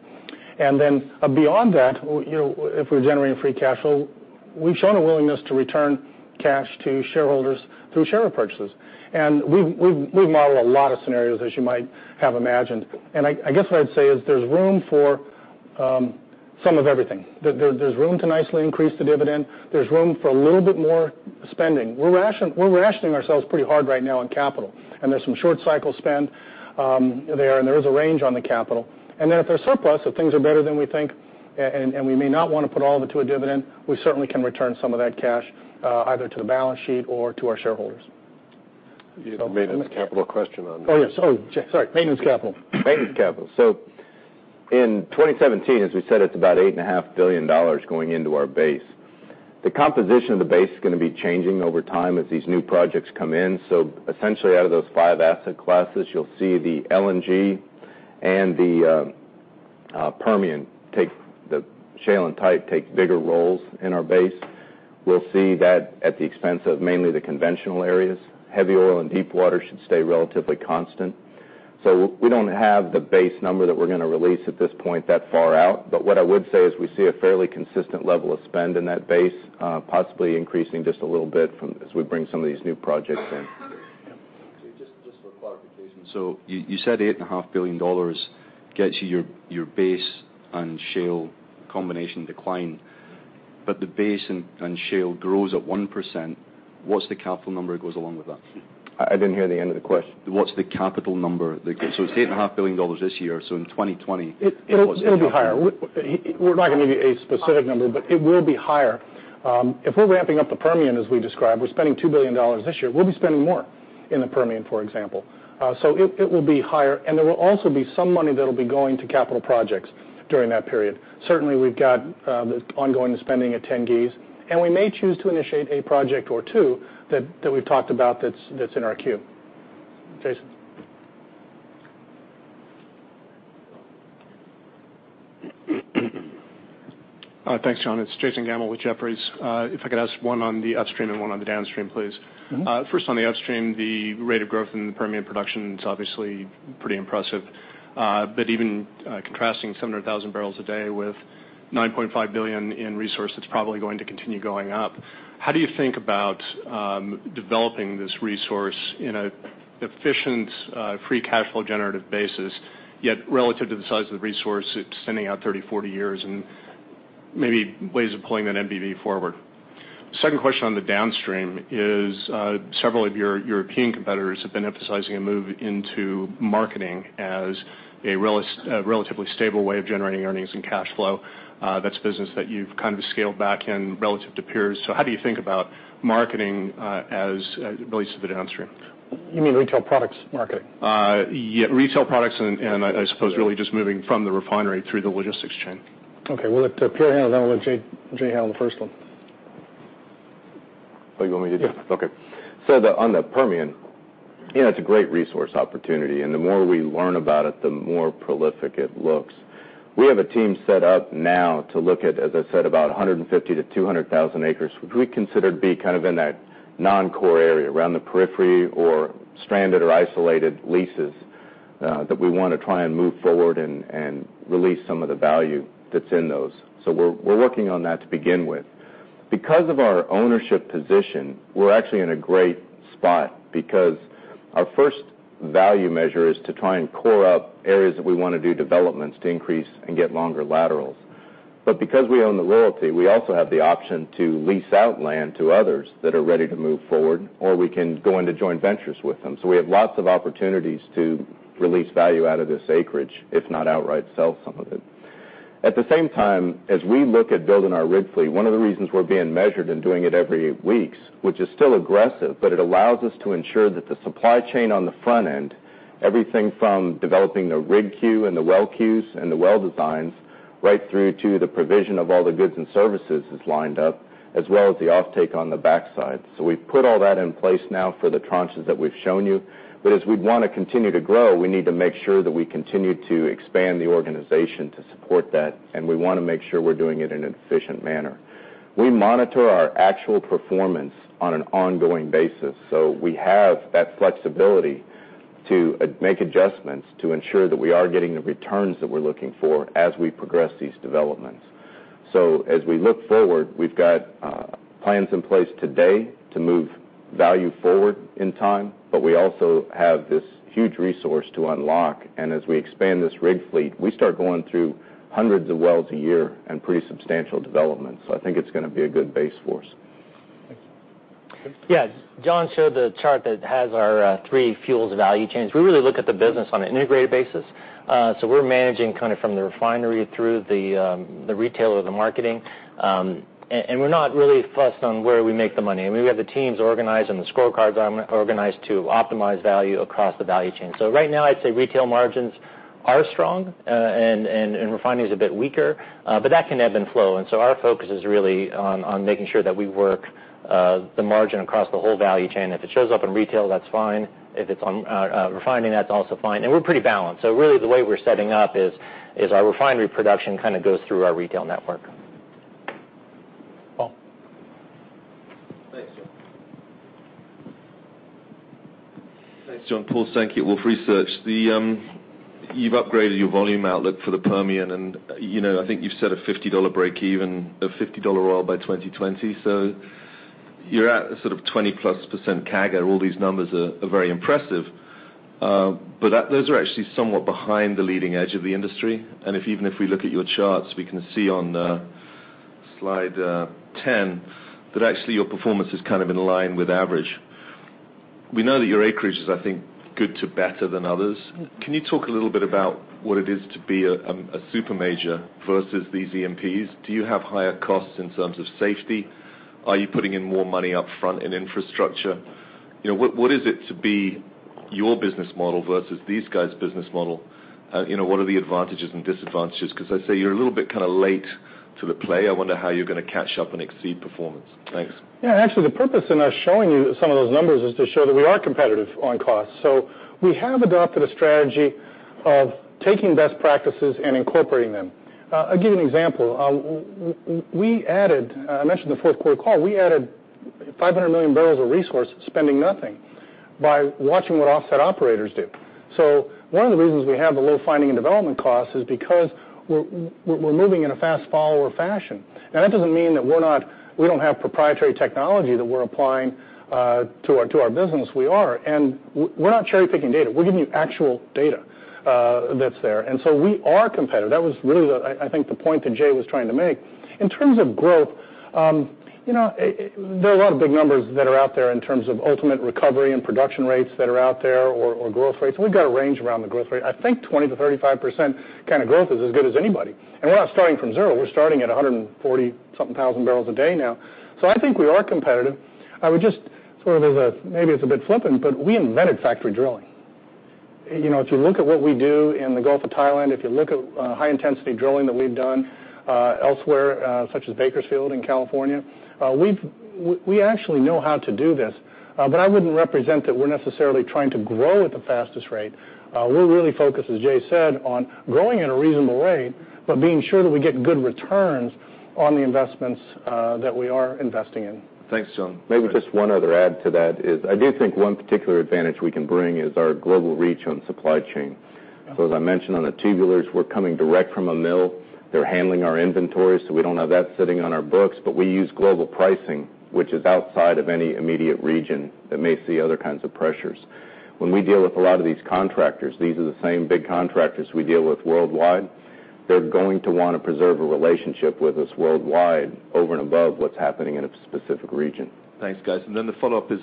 Beyond that, if we're generating free cash flow We've shown a willingness to return cash to shareholders through share purchases. We've modeled a lot of scenarios, as you might have imagined. I guess what I'd say is there's room for some of everything. There's room to nicely increase the dividend. There's room for a little bit more spending. We're rationing ourselves pretty hard right now on capital, there's some short cycle spend there is a range on the capital. If there's surplus, if things are better than we think, we may not want to put all of it to a dividend, we certainly can return some of that cash either to the balance sheet or to our shareholders. You had made a capital question on. Oh, yes. Oh, sorry. Maintenance capital. Maintenance capital. In 2017, as we said, it's about $8.5 billion going into our base. The composition of the base is going to be changing over time as these new projects come in. Essentially out of those five asset classes, you'll see the LNG and the Permian, the shale and tight, take bigger roles in our base. We'll see that at the expense of mainly the conventional areas. Heavy oil and deep water should stay relatively constant. We don't have the base number that we're going to release at this point that far out. What I would say is we see a fairly consistent level of spend in that base, possibly increasing just a little bit as we bring some of these new projects in. Jay, just for clarification. You said $8.5 billion gets you your base and shale combination decline, the base and shale grows at 1%. What's the capital number that goes along with that? I didn't hear the end of the question. What's the capital number? It's $8.5 billion this year, in 2020, what's the capital number? It'll be higher. We're not going to give you a specific number, but it will be higher. If we're ramping up the Permian as we described, we're spending $2 billion this year. We'll be spending more in the Permian, for example. It will be higher, and there will also be some money that'll be going to capital projects during that period. Certainly, we've got the ongoing spending at Tengiz, and we may choose to initiate a project or two that we've talked about that's in our queue. Jason? Thanks, John. It's Jason Gabelman with Jefferies. If I could ask one on the upstream and one on the downstream, please. First on the upstream, the rate of growth in the Permian production is obviously pretty impressive. Even contrasting 700,000 barrels a day with 9.5 billion in resources, it's probably going to continue going up. How do you think about developing this resource in an efficient pre-cash flow generative basis, yet relative to the size of the resource, it's sending out 30, 40 years, and maybe ways of pulling that NPV forward? Second question on the downstream is several of your European competitors have been emphasizing a move into marketing as a relatively stable way of generating earnings and cash flow. That's business that you've kind of scaled back in relative to peers. How do you think about marketing as it relates to the downstream? You mean retail products marketing? Yeah, retail products and I suppose really just moving from the refinery through the logistics chain. Okay. We'll let Pierre handle that one. We'll let Jay handle the first one. Oh, you want me to do that? Yeah. On the Permian, it's a great resource opportunity. The more we learn about it, the more prolific it looks. We have a team set up now to look at, as I said, about 150,000-200,000 acres, which we consider to be kind of in that non-core area around the periphery or stranded or isolated leases that we want to try and move forward and release some of the value that's in those. We're working on that to begin with. Because of our ownership position, we're actually in a great spot because our first value measure is to try and core up areas that we want to do developments to increase and get longer laterals. Because we own the royalty, we also have the option to lease out land to others that are ready to move forward, or we can go into joint ventures with them. We have lots of opportunities to release value out of this acreage, if not outright sell some of it. At the same time, as we look at building our rig fleet, one of the reasons we're being measured and doing it every eight weeks, which is still aggressive, it allows us to ensure that the supply chain on the front end, everything from developing the rig queue and the well queues and the well designs right through to the provision of all the goods and services is lined up, as well as the offtake on the backside. We've put all that in place now for the tranches that we've shown you. As we want to continue to grow, we need to make sure that we continue to expand the organization to support that, and we want to make sure we're doing it in an efficient manner. We monitor our actual performance on an ongoing basis, we have that flexibility to make adjustments to ensure that we are getting the returns that we're looking for as we progress these developments. As we look forward, we've got plans in place today to move value forward in time, we also have this huge resource to unlock. As we expand this rig fleet, we start going through hundreds of wells a year and pretty substantial developments. I think it's going to be a good base for us. Thank you. Yeah. John showed the chart that has our three fuels value chains. We really look at the business on an integrated basis. We're managing from the refinery through the retail or the marketing. We're not really fussed on where we make the money. We have the teams organized and the scorecards organized to optimize value across the value chain. Right now, I'd say retail margins are strong and refining is a bit weaker, but that can ebb and flow, our focus is really on making sure that we work the margin across the whole value chain. If it shows up in retail, that's fine. If it's on refining, that's also fine. We're pretty balanced. Really, the way we're setting up is our refinery production kind of goes through our retail network. Paul? Thanks. Thanks, John. Paul Sankey at Wolfe Research. You've upgraded your volume outlook for the Permian, I think you've set a $50 breakeven, a $50 oil by 2020. You're at a 20+% CAGR. All these numbers are very impressive. Those are actually somewhat behind the leading edge of the industry, even if we look at your charts, we can see on slide 10 that actually your performance is in line with average. We know that your acreage is, I think, good to better than others. Can you talk a little bit about what it is to be a super major versus these E&Ps? Do you have higher costs in terms of safety? Are you putting in more money up front in infrastructure? What is it to be your business model versus these guys' business model? What are the advantages and disadvantages? I'd say you're a little bit late to the play. I wonder how you're going to catch up and exceed performance. Thanks. Actually, the purpose in us showing you some of those numbers is to show that we are competitive on cost. We have adopted a strategy of taking best practices and incorporating them. I'll give you an example. I mentioned the fourth quarter call, we added 500 million barrels of resource spending nothing by watching what offset operators do. One of the reasons we have a low finding and development cost is because we're moving in a fast follower fashion. That doesn't mean that we don't have proprietary technology that we're applying to our business. We are, and we're not cherry-picking data. We're giving you actual data that's there. We are competitive. That was really, I think, the point that Jay was trying to make. In terms of growth, there are a lot of big numbers that are out there in terms of ultimate recovery and production rates that are out there or growth rates, we've got a range around the growth rate. I think 20%-35% kind of growth is as good as anybody. We're not starting from zero, we're starting at 140-something thousand barrels a day now. I think we are competitive. I would just sort of as a, maybe it's a bit flippant, but we invented factory drilling. If you look at what we do in the Gulf of Thailand, if you look at high-intensity drilling that we've done elsewhere such as Bakersfield in California, we actually know how to do this. I wouldn't represent that we're necessarily trying to grow at the fastest rate. We're really focused, as Jay said, on growing at a reasonable rate, but being sure that we get good returns on the investments that we are investing in. Thanks, John. Maybe just one other add to that is I do think one particular advantage we can bring is our global reach on supply chain. As I mentioned on the tubulars, we're coming direct from a mill. They're handling our inventory, so we don't have that sitting on our books, but we use global pricing, which is outside of any immediate region that may see other kinds of pressures. When we deal with a lot of these contractors, these are the same big contractors we deal with worldwide. They're going to want to preserve a relationship with us worldwide, over and above what's happening in a specific region. Thanks, guys. The follow-up is,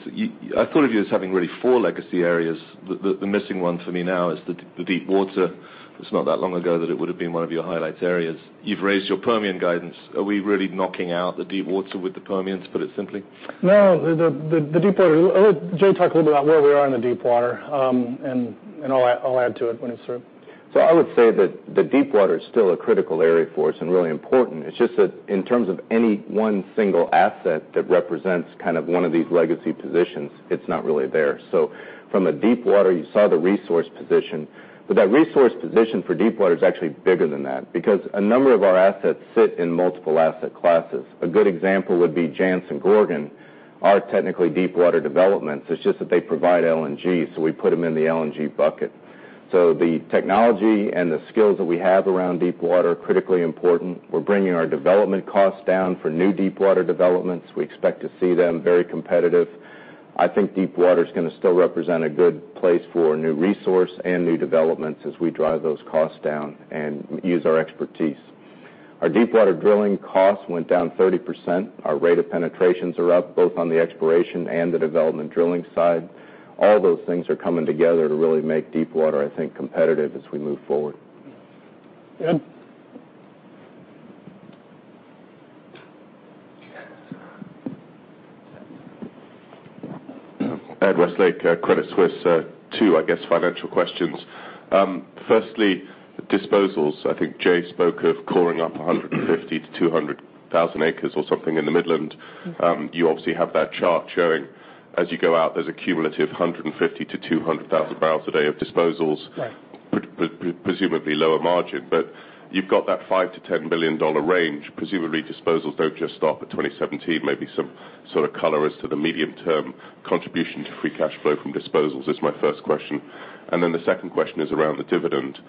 I thought of you as having really four legacy areas. The missing one for me now is the deep water. It's not that long ago that it would've been one of your highlight areas. You've raised your Permian guidance. Are we really knocking out the deep water with the Permian, to put it simply? No, the deep water. I'll let Jay talk a little bit about where we are in the deep water, and I'll add to it when it's through. I would say that the deep water is still a critical area for us and really important. It's just that in terms of any one single asset that represents one of these legacy positions, it's not really there. From a deep water, you saw the resource position. That resource position for deep water is actually bigger than that, because a number of our assets sit in multiple asset classes. A good example would be Jansz and Gorgon are technically deep water developments. It's just that they provide LNG, so we put them in the LNG bucket. The technology and the skills that we have around deep water are critically important. We're bringing our development costs down for new deep water developments. We expect to see them very competitive. I think deep water's going to still represent a good place for new resource and new developments as we drive those costs down and use our expertise. Our deep water drilling costs went down 30%. Our rate of penetrations are up, both on the exploration and the development drilling side. All those things are coming together to really make deep water, I think, competitive as we move forward. Ed? Ed Westlake, Credit Suisse. Two, I guess, financial questions. Firstly, disposals. I think Jay spoke of coring up 150,000-200,000 acres or something in the Midland. You obviously have that chart showing as you go out there's a cumulative 150,000-200,000 barrels a day of disposals. Right. Presumably lower margin. You've got that $5 billion-$10 billion range. Presumably disposals don't just stop at 2017. Maybe some sort of color as to the medium-term contribution to free cash flow from disposals is my first question. The second question is around the dividend.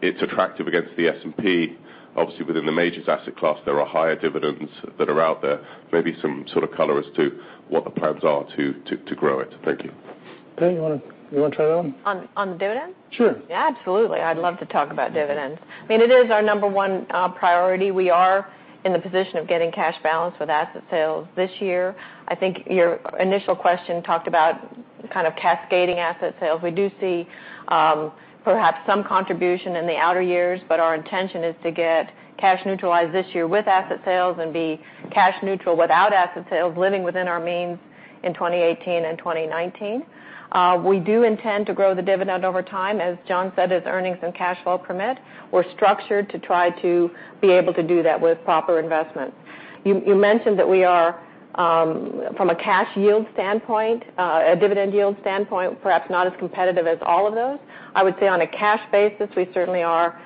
It's attractive against the S&P. Obviously, within the majors asset class, there are higher dividends that are out there. Maybe some sort of color as to what the plans are to grow it. Thank you. Pat, you want to try that one? On the dividend? Sure. Yeah, absolutely. I'd love to talk about dividends. It is our number one priority. We are in the position of getting cash balance with asset sales this year. I think your initial question talked about cascading asset sales. We do see perhaps some contribution in the outer years, but our intention is to get cash neutralized this year with asset sales and be cash neutral without asset sales living within our means in 2018 and 2019. We do intend to grow the dividend over time, as John said, as earnings and cash flow permit. We're structured to try to be able to do that with proper investment. You mentioned that we are from a cash yield standpoint, a dividend yield standpoint, perhaps not as competitive as all of those. I would say on a cash basis, we certainly are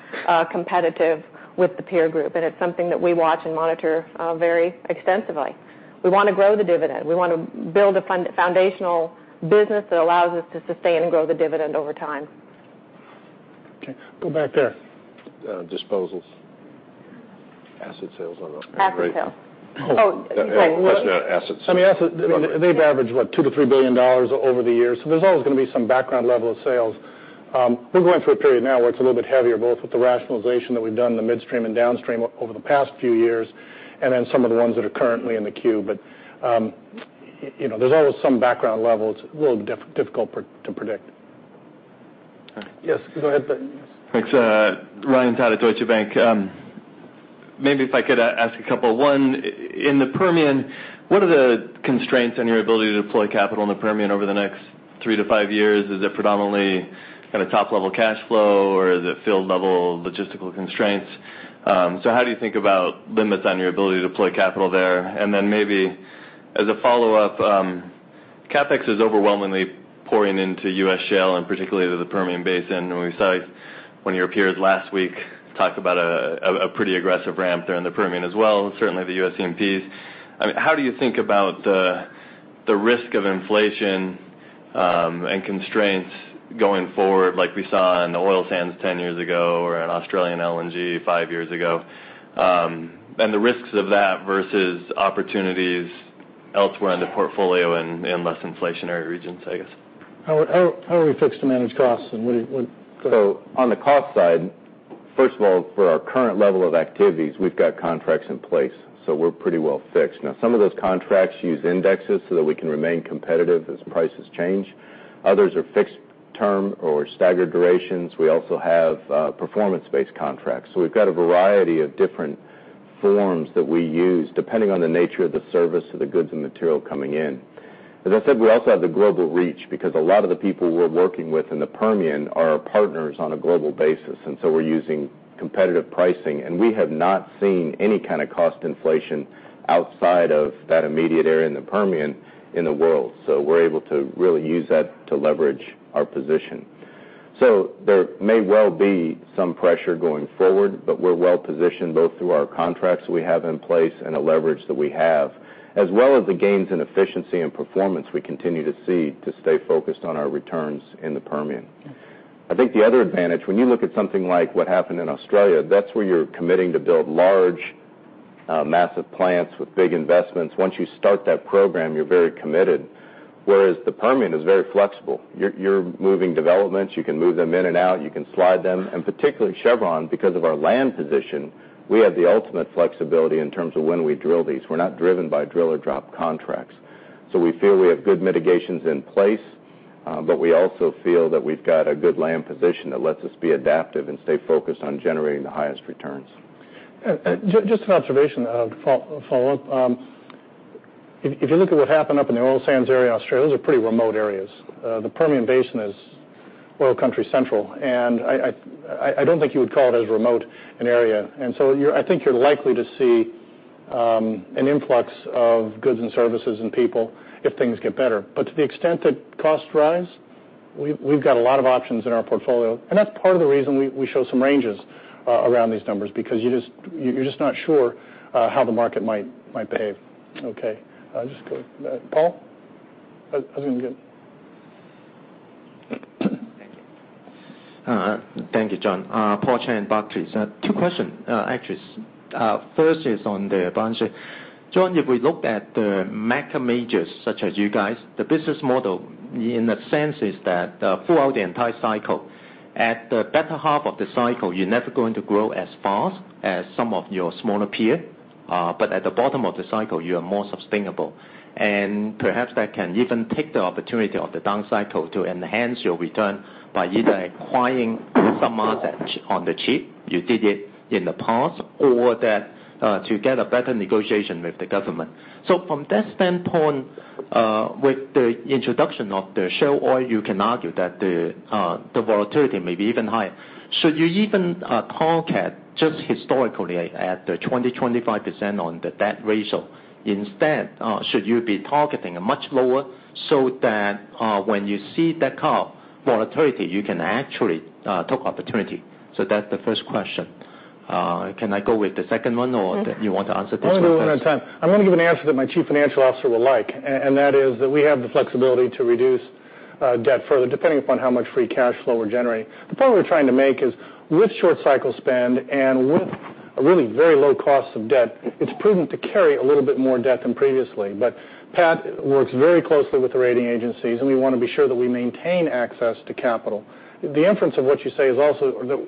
competitive with the peer group, and it's something that we watch and monitor very extensively. We want to grow the dividend. We want to build a foundational business that allows us to sustain and grow the dividend over time. Okay. Go back there. Disposals. Asset sales. I don't know. Asset sales. Go ahead. Asset sales. They've averaged what? $2 billion-$3 billion over the years. There's always going to be some background level of sales. We're going through a period now where it's a little bit heavier, both with the rationalization that we've done in the midstream and downstream over the past few years, and then some of the ones that are currently in the queue. There's always some background level. It's a little difficult to predict. Yes, go ahead. Thanks. Ryan Todd at Deutsche Bank. Maybe if I could ask a couple. One, in the Permian, what are the constraints on your ability to deploy capital in the Permian over the next three to five years? Is it predominantly top-level cash flow, or is it field-level logistical constraints? How do you think about limits on your ability to deploy capital there? As a follow-up, CapEx is overwhelmingly pouring into U.S. shale and particularly to the Permian Basin. We saw one of your peers last week talk about a pretty aggressive ramp there in the Permian as well, and certainly the U.S. E&Ps. How do you think about the risk of inflation and constraints going forward, like we saw in the oil sands 10 years ago or in Australian LNG five years ago, and the risks of that versus opportunities elsewhere in the portfolio in less inflationary regions, I guess? How are we fixed to manage costs and what- On the cost side, first of all, for our current level of activities, we've got contracts in place, so we're pretty well fixed. Now, some of those contracts use indexes so that we can remain competitive as prices change. Others are fixed term or staggered durations. We also have performance-based contracts. We've got a variety of different forms that we use depending on the nature of the service of the goods and material coming in. As I said, we also have the global reach because a lot of the people we're working with in the Permian are our partners on a global basis, and so we're using competitive pricing. We have not seen any kind of cost inflation outside of that immediate area in the Permian in the world. We're able to really use that to leverage our position. There may well be some pressure going forward, but we're well positioned both through our contracts we have in place and the leverage that we have, as well as the gains in efficiency and performance we continue to see to stay focused on our returns in the Permian. I think the other advantage, when you look at something like what happened in Australia, that's where you're committing to build large, massive plants with big investments. Once you start that program, you're very committed. Whereas the Permian is very flexible. You're moving developments. You can move them in and out. You can slide them. Particularly Chevron, because of our land position, we have the ultimate flexibility in terms of when we drill these. We're not driven by drill or drop contracts. We feel we have good mitigations in place, but we also feel that we've got a good land position that lets us be adaptive and stay focused on generating the highest returns. Just an observation follow-up. If you look at what happened up in the oil sands area in Australia, those are pretty remote areas. The Permian Basin is oil country central, and I don't think you would call it as remote an area. I think you're likely to see an influx of goods and services and people if things get better. To the extent that costs rise, we've got a lot of options in our portfolio, and that's part of the reason we show some ranges around these numbers, because you're just not sure how the market might behave. Okay. Paul? Thank you, John. Paul Cheng, Barclays. Two question, actually. First is on the balance sheet. John, if we look at the mega majors such as you guys, the business model in a sense is that throughout the entire cycle, at the better half of the cycle, you're never going to grow as fast as some of your smaller peer. At the bottom of the cycle, you are more sustainable. Perhaps that can even take the opportunity of the down cycle to enhance your return by either acquiring some assets on the cheap, you did it in the past, or that to get a better negotiation with the government. From that standpoint, with the introduction of the shale oil, you can argue that the volatility may be even higher. Should you even target just historically at the 20%-25% on the debt ratio? Instead, should you be targeting a much lower so that when you see that call, volatility, you can actually take opportunity? That's the first question. Can I go with the second one, or do you want to answer this one first? I'm going to give an answer that my chief financial officer will like, and that is that we have the flexibility to reduce debt further, depending upon how much free cash flow we're generating. The point we're trying to make is with short cycle spend and with a really very low cost of debt, it's prudent to carry a little bit more debt than previously. Pat works very closely with the rating agencies, and we want to be sure that we maintain access to capital. The inference of what you say is also,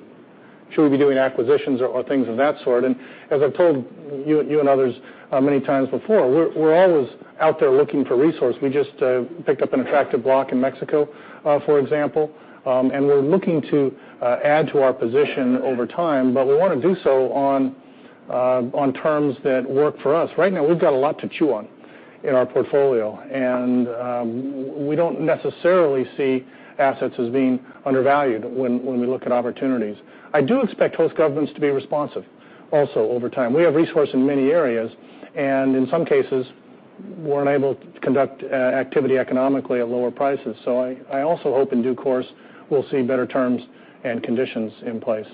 should we be doing acquisitions or things of that sort? As I've told you and others many times before, we're always out there looking for resource. We just picked up an attractive block in Mexico, for example, and we're looking to add to our position over time. We want to do so on terms that work for us. Right now, we've got a lot to chew on in our portfolio, and we don't necessarily see assets as being undervalued when we look at opportunities. I do expect host governments to be responsive also over time. We have resource in many areas, and in some cases, we're unable to conduct activity economically at lower prices. I also hope in due course we'll see better terms and conditions in place.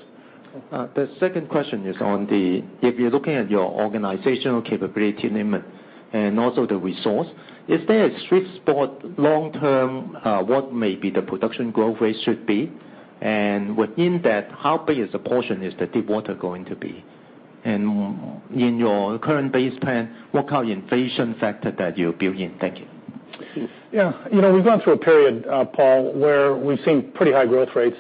The second question is, if you're looking at your organizational capability and also the resource, is there a sweet spot long term what maybe the production growth rate should be? Within that, how big is the portion is the deep water going to be? In your current base plan, what kind of inflation factor that you build in? Thank you. We've gone through a period, Paul, where we've seen pretty high growth rates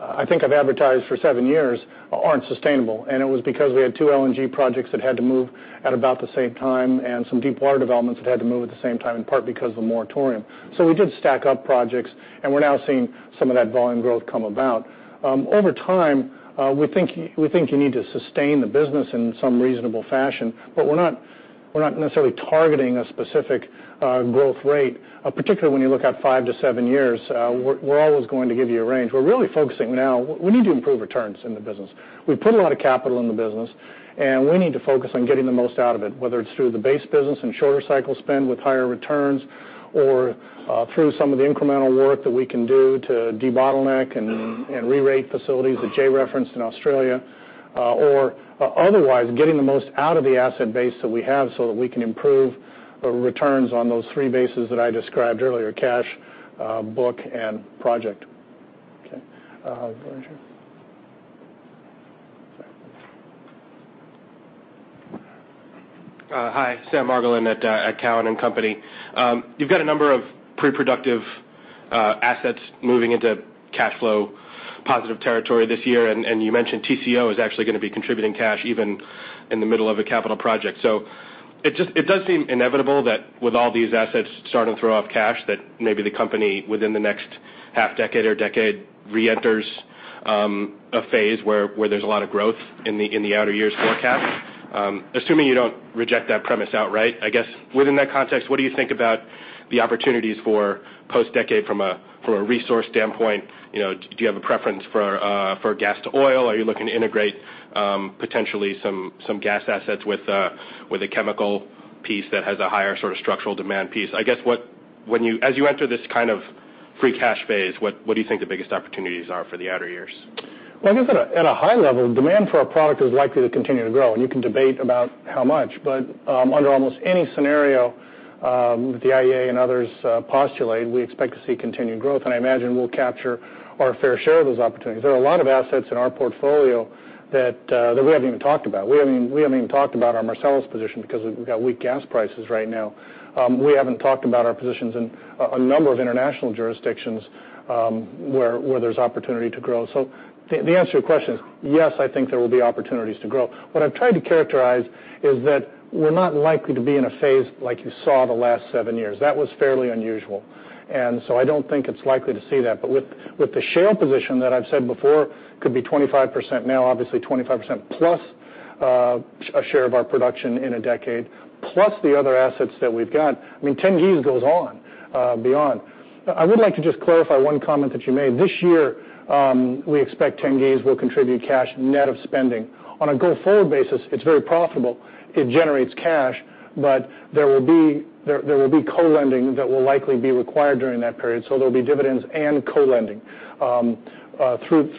that I think I've advertised for seven years aren't sustainable. It was because we had two LNG projects that had to move at about the same time, and some deep water developments that had to move at the same time, in part because of the moratorium. We did stack up projects, and we're now seeing some of that volume growth come about. Over time, we think you need to sustain the business in some reasonable fashion. We're not necessarily targeting a specific growth rate, particularly when you look out five to seven years, we're always going to give you a range. We're really focusing now. We need to improve returns in the business. We put a lot of capital in the business, and we need to focus on getting the most out of it, whether it's through the base business and shorter cycle spend with higher returns or through some of the incremental work that we can do to debottleneck and rerate facilities that Jay referenced in Australia. Otherwise, getting the most out of the asset base that we have so that we can improve returns on those three bases that I described earlier, cash, book and project. Okay. Go on, Jay. Hi, Sam Margolin at Cowen and Company. You've got a number of pre-productive assets moving into cash flow positive territory this year, and you mentioned Tengizchevroil is actually going to be contributing cash even in the middle of a capital project. It does seem inevitable that with all these assets starting to throw off cash, that maybe the company within the next half decade or decade reenters a phase where there's a lot of growth in the outer years forecast. Assuming you don't reject that premise outright, I guess within that context, what do you think about the opportunities for post-decade from a resource standpoint? Do you have a preference for gas to oil? Are you looking to integrate potentially some gas assets with a chemical piece that has a higher sort of structural demand piece? I guess as you enter this kind of free cash phase, what do you think the biggest opportunities are for the outer years? Well, I guess at a high level, demand for our product is likely to continue to grow. You can debate about how much. Under almost any scenario that the IEA and others postulate, we expect to see continued growth. I imagine we'll capture our fair share of those opportunities. There are a lot of assets in our portfolio that we haven't even talked about. We haven't even talked about our Marcellus position because we've got weak gas prices right now. We haven't talked about our positions in a number of international jurisdictions where there's opportunity to grow. The answer to your question is, yes, I think there will be opportunities to grow. What I've tried to characterize is that we're not likely to be in a phase like you saw the last seven years. That was fairly unusual. I don't think it's likely to see that. With the share position that I've said before could be 25% now, obviously 25% plus a share of our production in a decade, plus the other assets that we've got. I mean, Tengiz goes on beyond. I would like to just clarify one comment that you made. This year, we expect Tengiz will contribute cash net of spending. On a go-forward basis, it's very profitable. It generates cash, but there will be co-lending that will likely be required during that period. There'll be dividends and co-lending through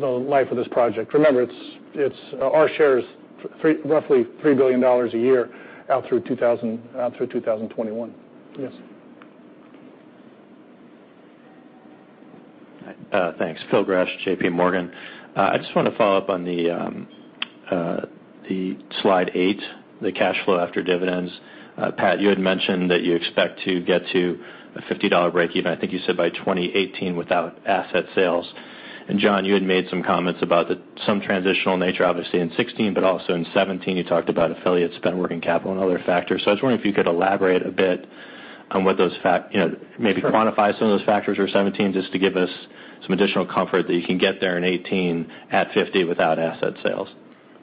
the life of this project. Remember, our share is roughly $3 billion a year out through 2021. Yes. Thanks. Phil Gresh, J.P. Morgan. I just want to follow up on slide eight, the cash flow after dividends. Pat, you had mentioned that you expect to get to a $50 breakeven, I think you said by 2018, without asset sales. John, you had made some comments about some transitional nature, obviously in 2016, but also in 2017, you talked about affiliate spend working capital and other factors. I was wondering if you could elaborate a bit on maybe quantify some of those factors for 2017, just to give us some additional comfort that you can get there in 2018 at 50 without asset sales.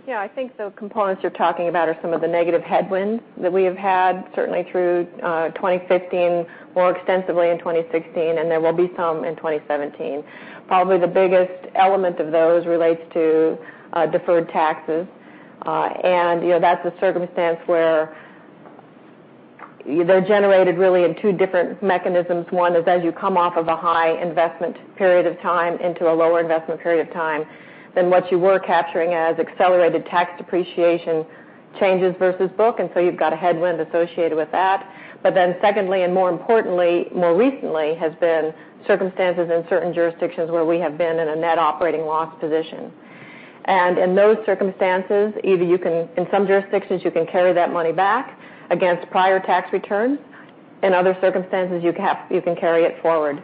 Yeah, I think the components you're talking about are some of the negative headwinds that we have had certainly through 2015, more extensively in 2016, and there will be some in 2017. Probably the biggest element of those relates to deferred taxes. That's a circumstance where they're generated really in two different mechanisms. One is as you come off of a high investment period of time into a lower investment period of time, then what you were capturing as accelerated tax depreciation changes versus book, you've got a headwind associated with that. Secondly, and more importantly, more recently, has been circumstances in certain jurisdictions where we have been in a net operating loss position. In those circumstances, either you can, in some jurisdictions, you can carry that money back against prior tax returns. In other circumstances, you can carry it forward.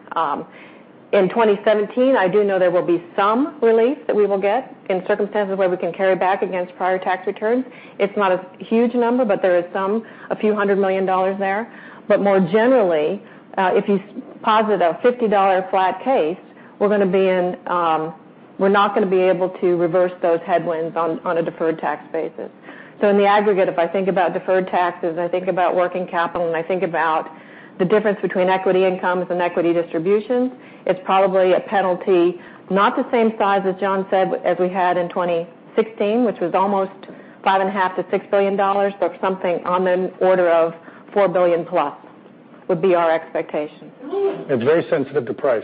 In 2017, I do know there will be some relief that we will get in circumstances where we can carry back against prior tax returns. It's not a huge number, but there is some, a few hundred million dollars there. More generally, if you posit a $50 flat case, we're not going to be able to reverse those headwinds on a deferred tax basis. In the aggregate, if I think about deferred taxes, I think about working capital, and I think about the difference between equity income and equity distributions, it's probably a penalty, not the same size as John said as we had in 2016, which was almost $5.5 billion-$6 billion, but something on the order of $4 billion plus would be our expectation. Very sensitive to price.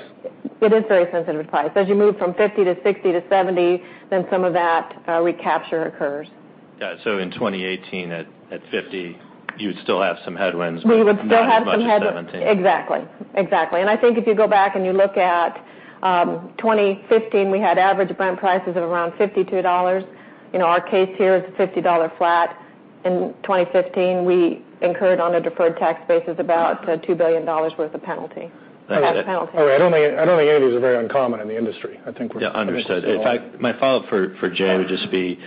It is very sensitive to price. As you move from $50 to $60 to $70, some of that recapture occurs. Yeah. In 2018, at $50, you would still have some headwinds. We would still have some head- Not as much as 2017. Exactly. Exactly. I think if you go back and you look at 2015, we had average Brent prices of around $52. In our case here, it's $50 flat. In 2015, we incurred on a deferred tax basis about $2 billion worth of penalty. Okay. That penalty. I don't think any of these are very uncommon in the industry. I think we're- Understood. In fact, my follow-up for Jay would just be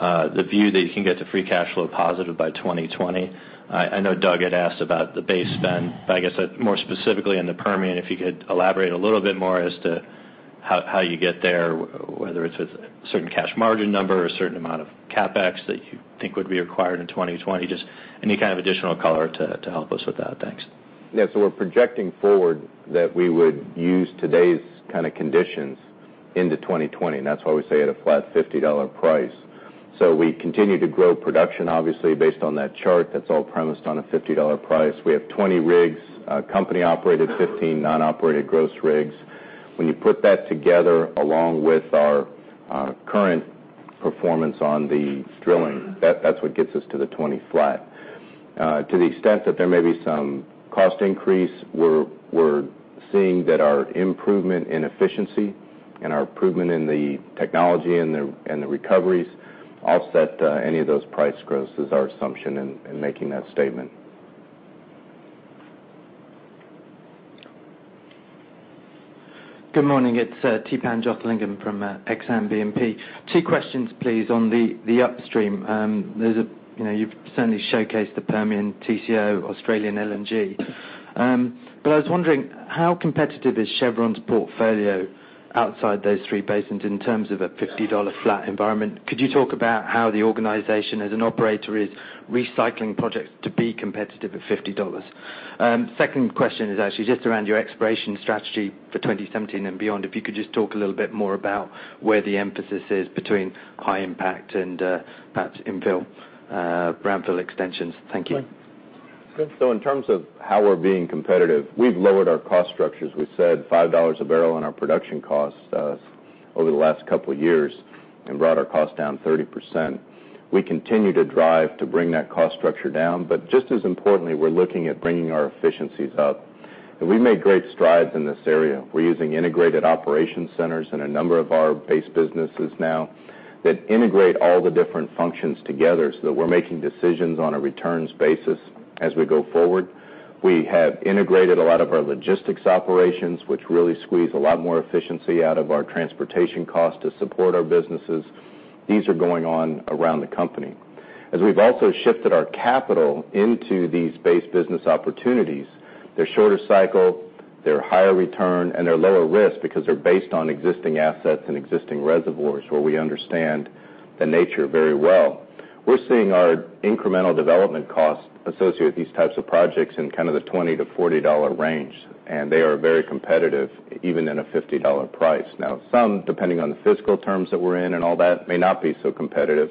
the view that you can get to free cash flow positive by 2020. I know Doug had asked about the base spend, I guess, more specifically in the Permian, if you could elaborate a little bit more as to how you get there, whether it's with certain cash margin number or a certain amount of CapEx that you think would be required in 2020, just any kind of additional color to help us with that. Thanks. We're projecting forward that we would use today's kind of conditions into 2020, and that's why we say at a flat $50 price. We continue to grow production, obviously, based on that chart. That's all premised on a $50 price. We have 20 rigs, company operated 15 non-operated gross rigs. When you put that together, along with our current performance on the drilling, that's what gets us to the 20 flat. To the extent that there may be some cost increase, we're seeing that our improvement in efficiency and our improvement in the technology and the recoveries offset any of those price grows is our assumption in making that statement. Good morning. It's Theepan Jothilingam from Exane BNP Paribas. Two questions, please, on the upstream. You've certainly showcased the Permian TCO Australian LNG. I was wondering how competitive is Chevron's portfolio outside those three basins in terms of a $50 flat environment? Could you talk about how the organization as an operator is recycling projects to be competitive at $50? Second question is actually just around your exploration strategy for 2017 and beyond. If you could just talk a little bit more about where the emphasis is between high impact and perhaps infill, brownfield extensions. Thank you. Sure. In terms of how we're being competitive, we've lowered our cost structures. We've saved $5 a barrel on our production costs over the last couple of years and brought our cost down 30%. We continue to drive to bring that cost structure down. Just as importantly, we're looking at bringing our efficiencies up. We've made great strides in this area. We're using integrated operation centers in a number of our base businesses now that integrate all the different functions together so that we're making decisions on a returns basis as we go forward. We have integrated a lot of our logistics operations, which really squeeze a lot more efficiency out of our transportation cost to support our businesses. These are going on around the company. As we've also shifted our capital into these base business opportunities, they're shorter cycle, they're higher return, and they're lower risk because they're based on existing assets and existing reservoirs where we understand the nature very well. We're seeing our incremental development costs associated with these types of projects in kind of the $20-$40 range, and they are very competitive, even in a $50 price. Some, depending on the fiscal terms that we're in and all that may not be so competitive,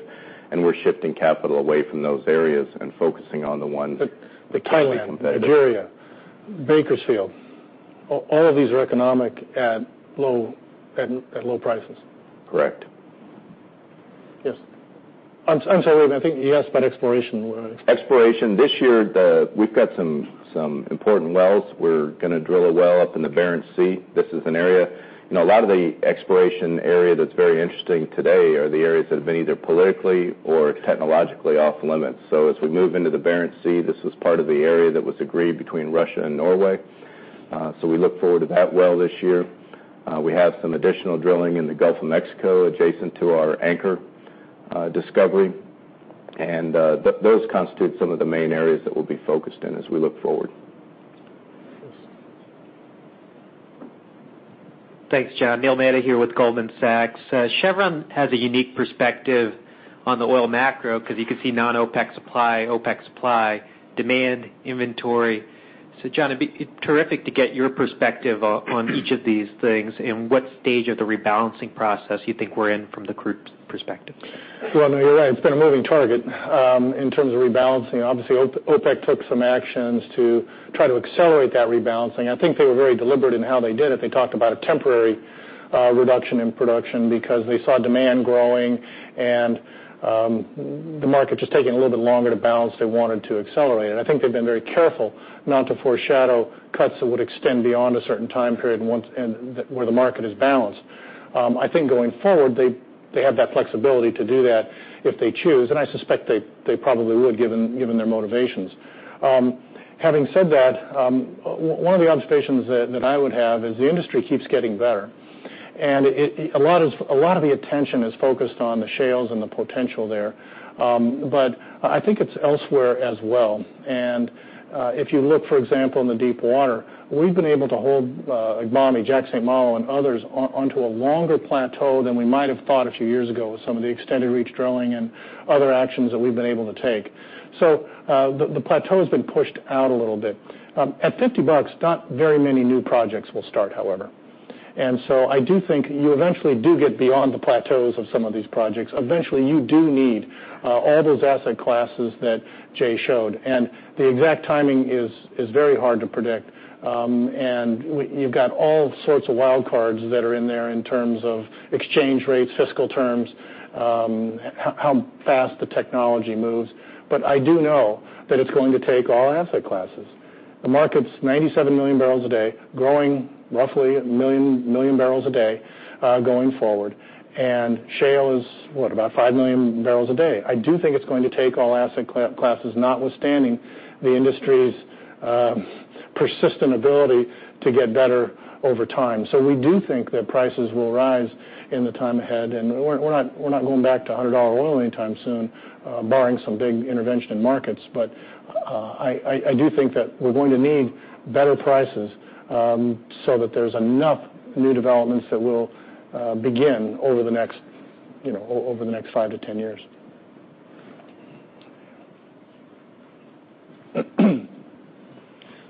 and we're shifting capital away from those areas and focusing on the ones that can be competitive. Thailand, Nigeria, Bakersfield, all of these are economic at low prices. Correct. Yes. I'm sorry, wait, I think he asked about exploration. Exploration. This year, we've got some important wells. We're going to drill a well up in the Barents Sea. A lot of the exploration area that's very interesting today are the areas that have been either politically or technologically off limits. As we move into the Barents Sea, this was part of the area that was agreed between Russia and Norway. We look forward to that well this year. We have some additional drilling in the Gulf of Mexico adjacent to our Anchor discovery. Those constitute some of the main areas that we'll be focused in as we look forward. Yes. Thanks, John. Neil Mehta here with Goldman Sachs. Chevron has a unique perspective on the oil macro because you can see non-OPEC supply, OPEC supply, demand, inventory. John, it'd be terrific to get your perspective on each of these things and what stage of the rebalancing process you think we're in from the group's perspective. Well, you're right. It's been a moving target in terms of rebalancing. Obviously, OPEC took some actions to try to accelerate that rebalancing. I think they were very deliberate in how they did it. They talked about a temporary reduction in production because they saw demand growing and the market just taking a little bit longer to balance, they wanted to accelerate it. I think they've been very careful not to foreshadow cuts that would extend beyond a certain time period where the market is balanced. I think going forward, they have that flexibility to do that if they choose, and I suspect they probably would given their motivations. Having said that, one of the observations that I would have is the industry keeps getting better. A lot of the attention is focused on the shales and the potential there. I think it's elsewhere as well. If you look, for example, in the deep water, we've been able to hold Agbami, Jack/St. Malo, and others onto a longer plateau than we might have thought a few years ago with some of the extended reach drilling and other actions that we've been able to take. The plateau has been pushed out a little bit. At $50, not very many new projects will start, however. I do think you eventually do get beyond the plateaus of some projects. Eventually, you do need all those asset classes that Jay showed, and the exact timing is very hard to predict. You've got all sorts of wild cards that are in there in terms of exchange rates, fiscal terms, how fast the technology moves. I do know that it's going to take all asset classes. The market's 97 million barrels a day, growing roughly 1 million barrels a day going forward. Shale is, what, about 5 million barrels a day. I do think it's going to take all asset classes, notwithstanding the industry's persistent ability to get better over time. We do think that prices will rise in the time ahead, and we're not going back to $100 oil anytime soon, barring some big intervention in markets. I do think that we're going to need better prices so that there's enough new developments that will begin over the next 5 to 10 years.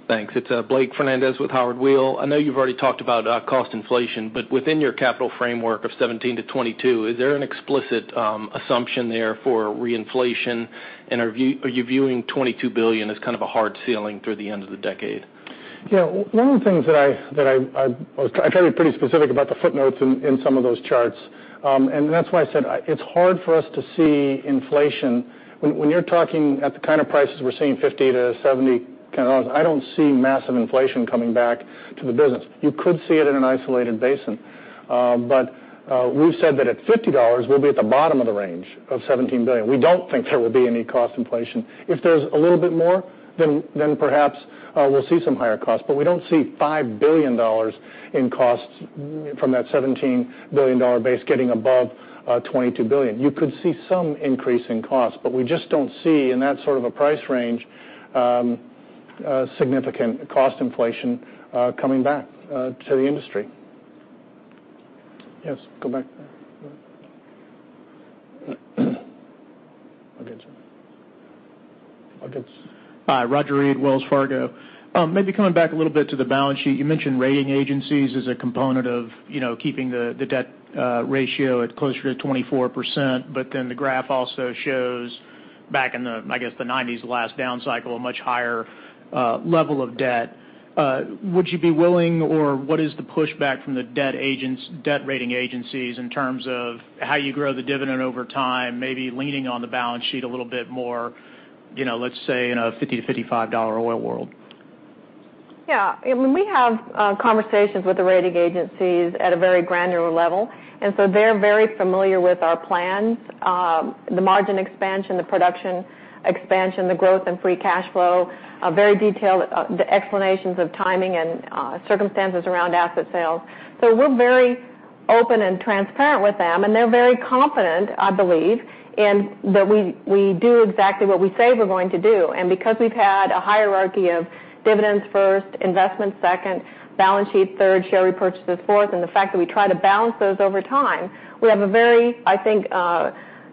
Thanks. It's Blake Fernandez with Howard Weil. I know you've already talked about cost inflation, within your capital framework of $17 billion-$22 billion, is there an explicit assumption there for reinflation? Are you viewing $22 billion as kind of a hard ceiling through the end of the decade? Yeah. One of the things that I tried to be pretty specific about the footnotes in some of those charts, and that's why I said it's hard for us to see inflation. When you're talking at the kind of prices we're seeing, $50-$70, I don't see massive inflation coming back to the business. You could see it in an isolated basin. We've said that at $50, we'll be at the bottom of the range of $17 billion. We don't think there will be any cost inflation. If there's a little bit more, then perhaps we'll see some higher costs. We don't see $5 billion in costs from that $17 billion base getting above $22 billion. You could see some increase in costs, but we just don't see in that sort of a price range significant cost inflation coming back to the industry. Yes, go back there. Okay, sir. Hi. Roger Read, Wells Fargo. Maybe coming back a little bit to the balance sheet, you mentioned rating agencies as a component of keeping the debt ratio at closer to 24%, but then the graph also shows back in the, I guess, the '90s last down cycle, a much higher level of debt. Would you be willing or what is the pushback from the debt rating agencies in terms of how you grow the dividend over time, maybe leaning on the balance sheet a little bit more, let's say in a $50-$55 oil world? Yeah. When we have conversations with the rating agencies at a very granular level, they're very familiar with our plans. The margin expansion, the production expansion, the growth and free cash flow, very detailed explanations of timing and circumstances around asset sales. We're very open and transparent with them, and they're very confident, I believe, in that we do exactly what we say we're going to do. Because we've had a hierarchy of dividends first, investments second, balance sheet third, share repurchases fourth, and the fact that we try to balance those over time, I think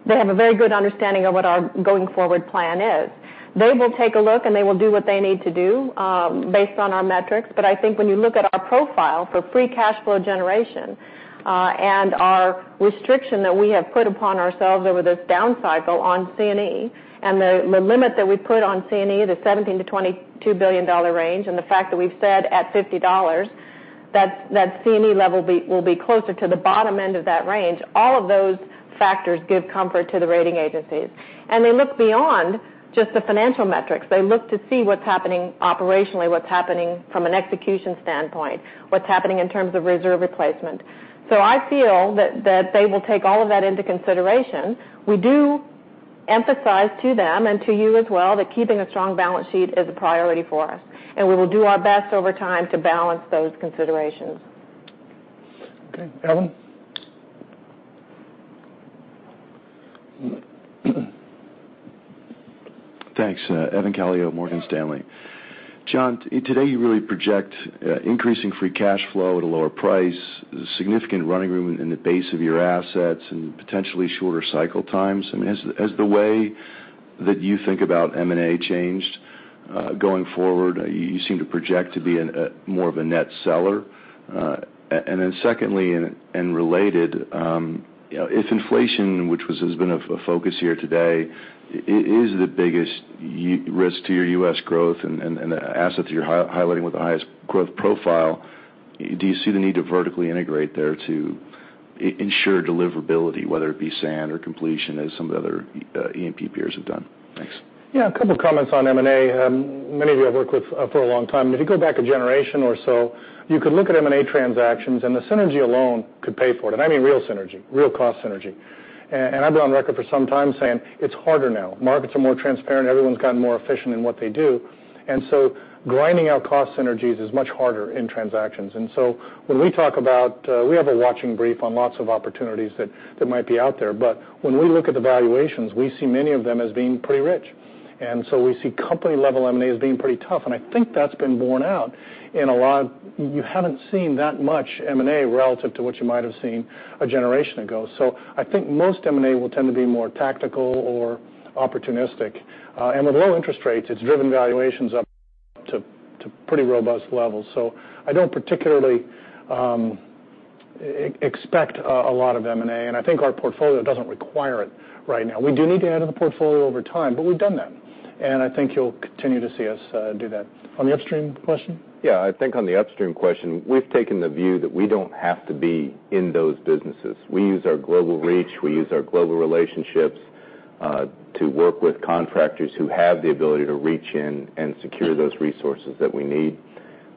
they have a very good understanding of what our going-forward plan is. They will take a look, and they will do what they need to do based on our metrics. I think when you look at our profile for free cash flow generation, and our restriction that we have put upon ourselves over this down cycle on C&E, and the limit that we put on C&E, the $17 billion-$22 billion range, and the fact that we've said at $50 that C&E level will be closer to the bottom end of that range. All of those factors give comfort to the rating agencies. They look beyond just the financial metrics. They look to see what's happening operationally, what's happening from an execution standpoint, what's happening in terms of reserve replacement. I feel that they will take all of that into consideration. We do emphasize to them, and to you as well, that keeping a strong balance sheet is a priority for us, and we will do our best over time to balance those considerations. Okay. Evan? Thanks. Evan Calio, Morgan Stanley. John, today you really project increasing free cash flow at a lower price, significant running room in the base of your assets, and potentially shorter cycle times. Has the way that you think about M&A changed going forward? You seem to project to be more of a net seller. Then secondly and related, if inflation, which has been a focus here today, is the biggest risk to your U.S. growth and the assets you're highlighting with the highest growth profile, do you see the need to vertically integrate there to ensure deliverability, whether it be sand or completion, as some of the other E&P peers have done? Thanks. Yeah. A couple comments on M&A. Many of you I've worked with for a long time. If you go back a generation or so, you could look at M&A transactions and the synergy alone could pay for it. I mean real synergy, real cost synergy. I've been on record for some time saying it's harder now. Markets are more transparent. Everyone's gotten more efficient in what they do. Grinding out cost synergies is much harder in transactions. When we talk about, we have a watching brief on lots of opportunities that might be out there, but when we look at the valuations, we see many of them as being pretty rich. We see company-level M&A as being pretty tough, and I think that's been borne out in a lot, you haven't seen that much M&A relative to what you might have seen a generation ago. I think most M&A will tend to be more tactical or opportunistic. With low interest rates, it's driven valuations up to pretty robust levels. I don't particularly expect a lot of M&A, and I think our portfolio doesn't require it right now. We do need to add to the portfolio over time, but we've done that, and I think you'll continue to see us do that. On the upstream question? Yeah, I think on the upstream question, we've taken the view that we don't have to be in those businesses. We use our global reach, we use our global relationships to work with contractors who have the ability to reach in and secure those resources that we need.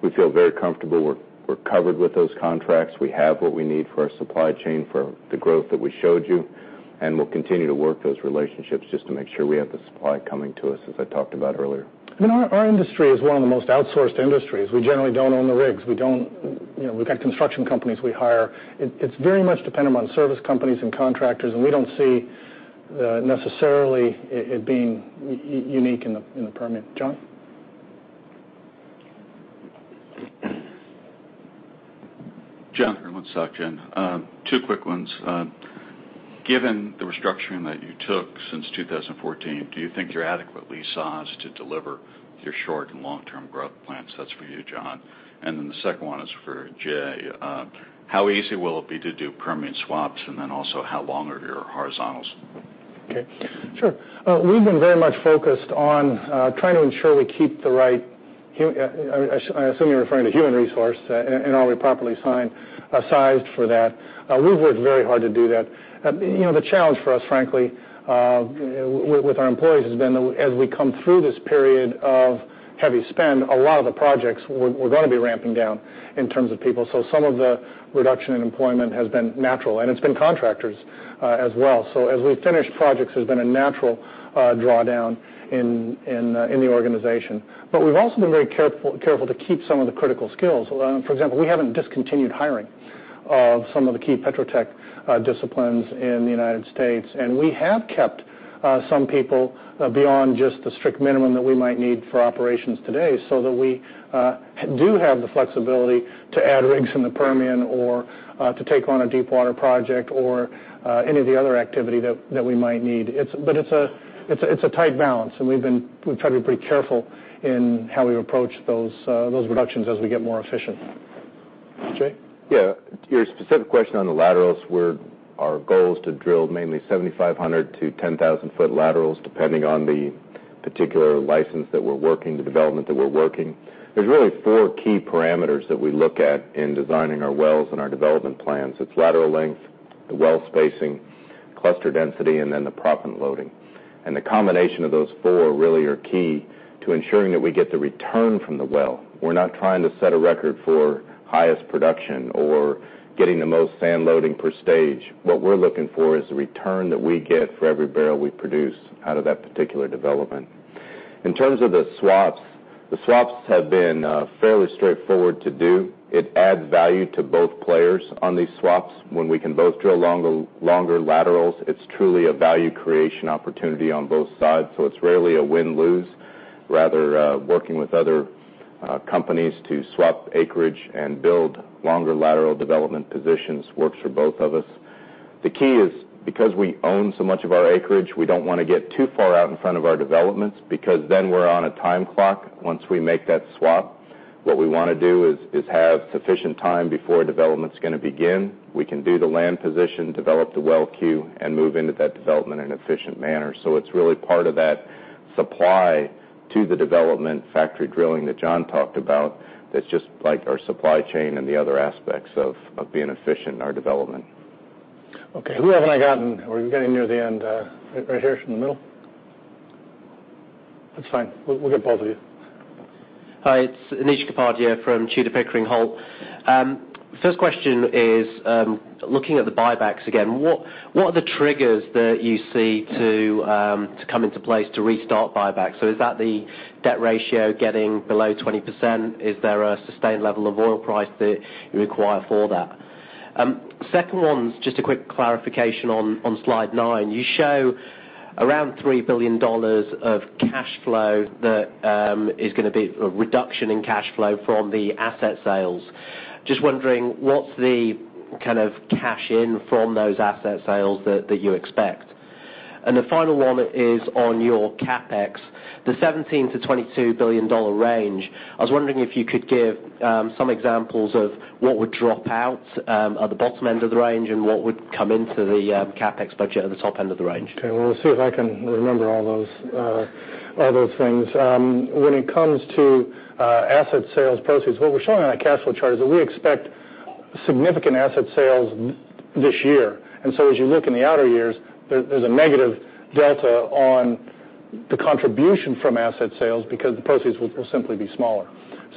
We feel very comfortable we're covered with those contracts. We have what we need for our supply chain for the growth that we showed you, and we'll continue to work those relationships just to make sure we have the supply coming to us as I talked about earlier. Our industry is one of the most outsourced industries. We generally don't own the rigs. We've got construction companies we hire. It's very much dependent on service companies and contractors, and we don't see necessarily it being unique in the Permian. John? John from John from, two quick ones. Given the restructuring that you took since 2014, do you think you're adequately sized to deliver your short and long-term growth plans? That's for you, John. The second one is for Jay. How easy will it be to do Permian swaps? Also, how long are your horizontals? Okay. Sure. We've been very much focused on trying to ensure we keep the right. I assume you're referring to human resource, and are we properly sized for that? We've worked very hard to do that. The challenge for us, frankly, with our employees has been as we come through this period of heavy spend, a lot of the projects we're going to be ramping down in terms of people. Some of the reduction in employment has been natural, and it's been contractors as well. As we've finished projects, there's been a natural drawdown in the organization. We've also been very careful to keep some of the critical skills. For example, we haven't discontinued hiring of some of the key petrotech disciplines in the U.S., we have kept some people beyond just the strict minimum that we might need for operations today, so that we do have the flexibility to add rigs in the Permian or to take on a deep water project or any of the other activity that we might need. It's a tight balance, and we've tried to be pretty careful in how we approach those reductions as we get more efficient. Jay? Yeah. Your specific question on the laterals where our goal is to drill mainly 7,500-10,000-foot laterals, depending on the particular license that we're working, the development that we're working. There's really four key parameters that we look at in designing our wells and our development plans. It's lateral length, the well spacing, cluster density, and then the proppant loading. The combination of those four really are key to ensuring that we get the return from the well. We're not trying to set a record for highest production or getting the most sand loading per stage. What we're looking for is the return that we get for every barrel we produce out of that particular development. In terms of the swaps, the swaps have been fairly straightforward to do. It adds value to both players on these swaps. When we can both drill longer laterals, it's truly a value creation opportunity on both sides. It's rarely a win-lose. Rather, working with other companies to swap acreage and build longer lateral development positions works for both of us. The key is because we own so much of our acreage, we don't want to get too far out in front of our developments because then we're on a time clock once we make that swap. What we want to do is have sufficient time before development's going to begin. We can do the land position, develop the well queue, and move into that development in an efficient manner. It's really part of that supply to the development factory drilling that John talked about that's just like our supply chain and the other aspects of being efficient in our development. Okay. Who haven't I gotten? We're getting near the end. Right here in the middle. That's fine. We'll get both of you. Hi, it's Anish Kapadia from Tudor, Pickering Holt. First question is, looking at the buybacks again, what are the triggers that you see to come into place to restart buybacks? Is that the debt ratio getting below 20%? Is there a sustained level of oil price that you require for that? Second one's just a quick clarification on Slide 9. You show around $3 billion of cash flow that is going to be a reduction in cash flow from the asset sales. Just wondering what's the kind of cash in from those asset sales that you expect? The final one is on your CapEx, the $17 billion-$22 billion range. I was wondering if you could give some examples of what would drop out at the bottom end of the range and what would come into the CapEx budget at the top end of the range. Okay, we'll see if I can remember all those things. When it comes to asset sales proceeds, what we're showing on that cash flow chart is that we expect significant asset sales this year. As you look in the outer years, there's a negative delta on the contribution from asset sales because the proceeds will simply be smaller.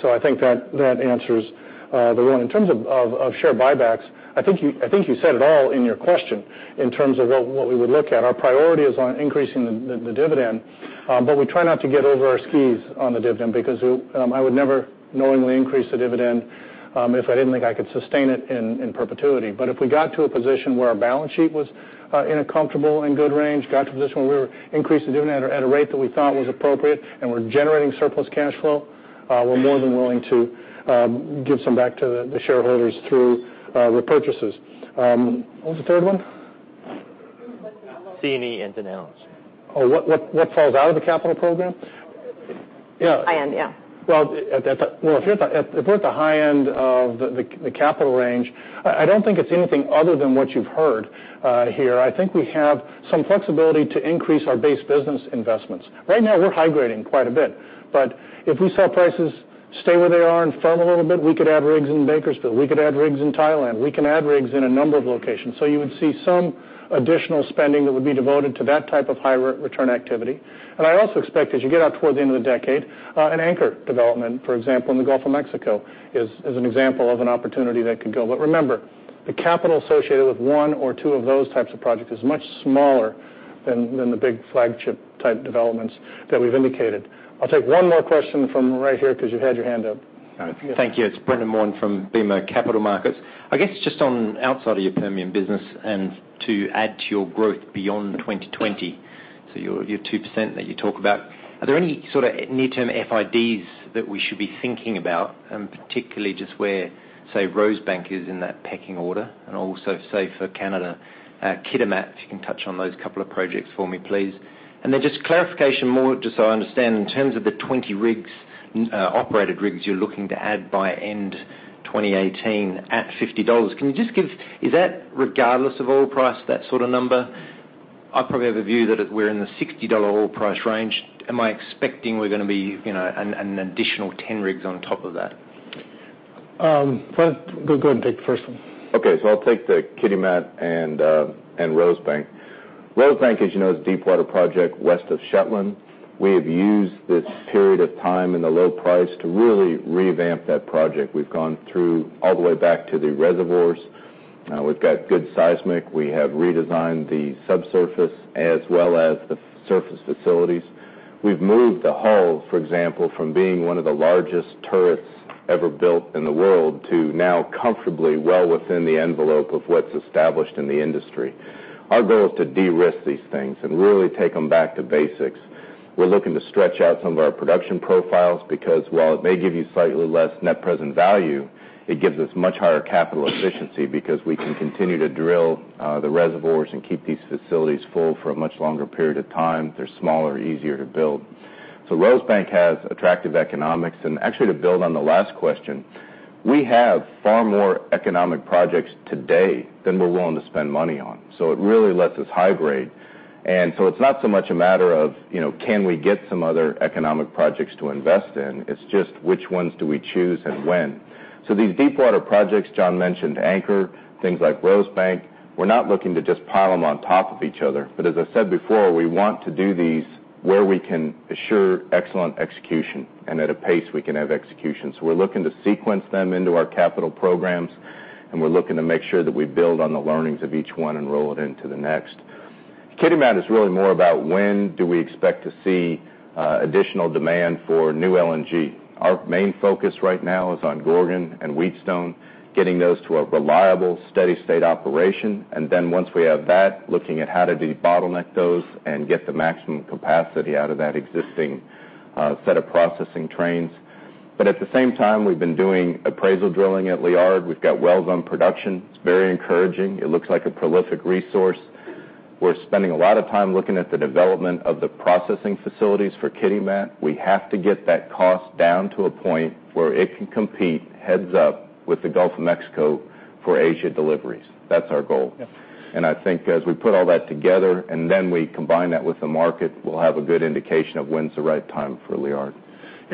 I think that answers the one. In terms of share buybacks, I think you said it all in your question in terms of what we would look at. Our priority is on increasing the dividend, but we try not to get over our skis on the dividend because I would never knowingly increase the dividend if I didn't think I could sustain it in perpetuity. If we got to a position where our balance sheet was in a comfortable and good range, got to a position where we were increasing the dividend at a rate that we thought was appropriate and we're generating surplus cash flow, we're more than willing to give some back to the shareholders through repurchases. What was the third one? C&E and Tengiz. Oh, what falls out of the capital program? High-end, yeah. If we're at the high end of the capital range, I don't think it's anything other than what you've heard here. I think we have some flexibility to increase our base business investments. Right now, we're high grading quite a bit, but if we saw prices stay where they are and firm a little bit, we could add rigs in Bakersfield. We could add rigs in Thailand. We can add rigs in a number of locations. You would see some additional spending that would be devoted to that type of high return activity. I also expect as you get out toward the end of the decade, an Anchor development, for example, in the Gulf of Mexico is an example of an opportunity that could go. Remember, the capital associated with 1 or 2 of those types of projects is much smaller than the big flagship type developments that we've indicated. I'll take one more question from right here, because you've had your hand up. Thank you. It's Brendan Warn from BMO Capital Markets. I guess just on outside of your Permian business and to add to your growth beyond 2020, so your 2% that you talk about, are there any sort of near-term FIDs that we should be thinking about, and particularly just where, say, Rosebank is in that pecking order, and also, say, for Canada, Kitimat? If you can touch on those couple of projects for me, please. Just clarification more just so I understand, in terms of the 20 operated rigs you're looking to add by end 2018 at $50, is that regardless of oil price, that sort of number? I probably have a view that we're in the $60 oil price range. Am I expecting we're going to be an additional 10 rigs on top of that? Go ahead and take the first one. Okay. I'll take the Kitimat and Rosebank. Rosebank, as you know, is a deepwater project west of Shetland. We've used this period of time in the low price to really revamp that project. We've gone through all the way back to the reservoirs. We've got good seismic. We have redesigned the subsurface as well as the surface facilities. We've moved the hull, for example, from being one of the largest turrets ever built in the world to now comfortably well within the envelope of what's established in the industry. Our goal is to de-risk these things and really take them back to basics. We're looking to stretch out some of our production profiles because while it may give you slightly less net present value, it gives us much higher capital efficiency because we can continue to drill the reservoirs and keep these facilities full for a much longer period of time. They're smaller, easier to build. Rosebank has attractive economics. Actually, to build on the last question, we have far more economic projects today than we're willing to spend money on. It really lets us high grade. It's not so much a matter of can we get some other economic projects to invest in? It's just which ones do we choose and when. These deepwater projects John mentioned, Anchor, things like Rosebank, we're not looking to just pile them on top of each other, but as I said before, we want to do these where we can assure excellent execution and at a pace we can have execution. We're looking to sequence them into our capital programs, and we're looking to make sure that we build on the learnings of each one and roll it into the next. Kitimat is really more about when do we expect to see additional demand for new LNG. Our main focus right now is on Gorgon and Wheatstone, getting those to a reliable, steady state operation, and then once we have that, looking at how to debottleneck those and get the maximum capacity out of that existing set of processing trains. At the same time, we've been doing appraisal drilling at Liard. We've got wells on production. It's very encouraging. It looks like a prolific resource. We're spending a lot of time looking at the development of the processing facilities for Kitimat. We have to get that cost down to a point where it can compete heads up with the Gulf of Mexico for Asia deliveries. That's our goal. Yeah. I think as we put all that together and then we combine that with the market, we'll have a good indication of when's the right time for Liard.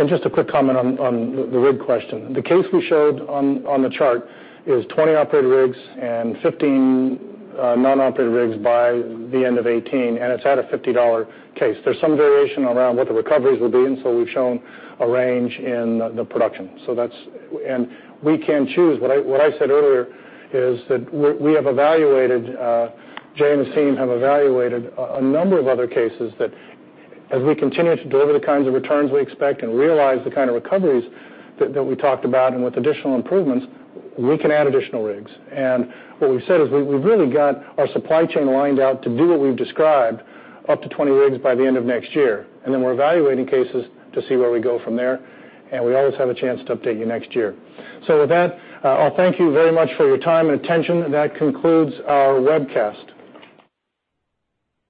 Just a quick comment on the rig question. The case we showed on the chart is 20 operated rigs and 15 non-operated rigs by the end of 2018, and it's at a $50 case. There's some variation around what the recoveries will be, so we've shown a range in the production. We can choose. What I said earlier is that Jay and his team have evaluated a number of other cases that as we continue to deliver the kinds of returns we expect and realize the kind of recoveries that we talked about and with additional improvements, we can add additional rigs. What we've said is we've really got our supply chain lined out to do what we've described up to 20 rigs by the end of next year. Then we're evaluating cases to see where we go from there. We always have a chance to update you next year. With that, I'll thank you very much for your time and attention. That concludes our webcast.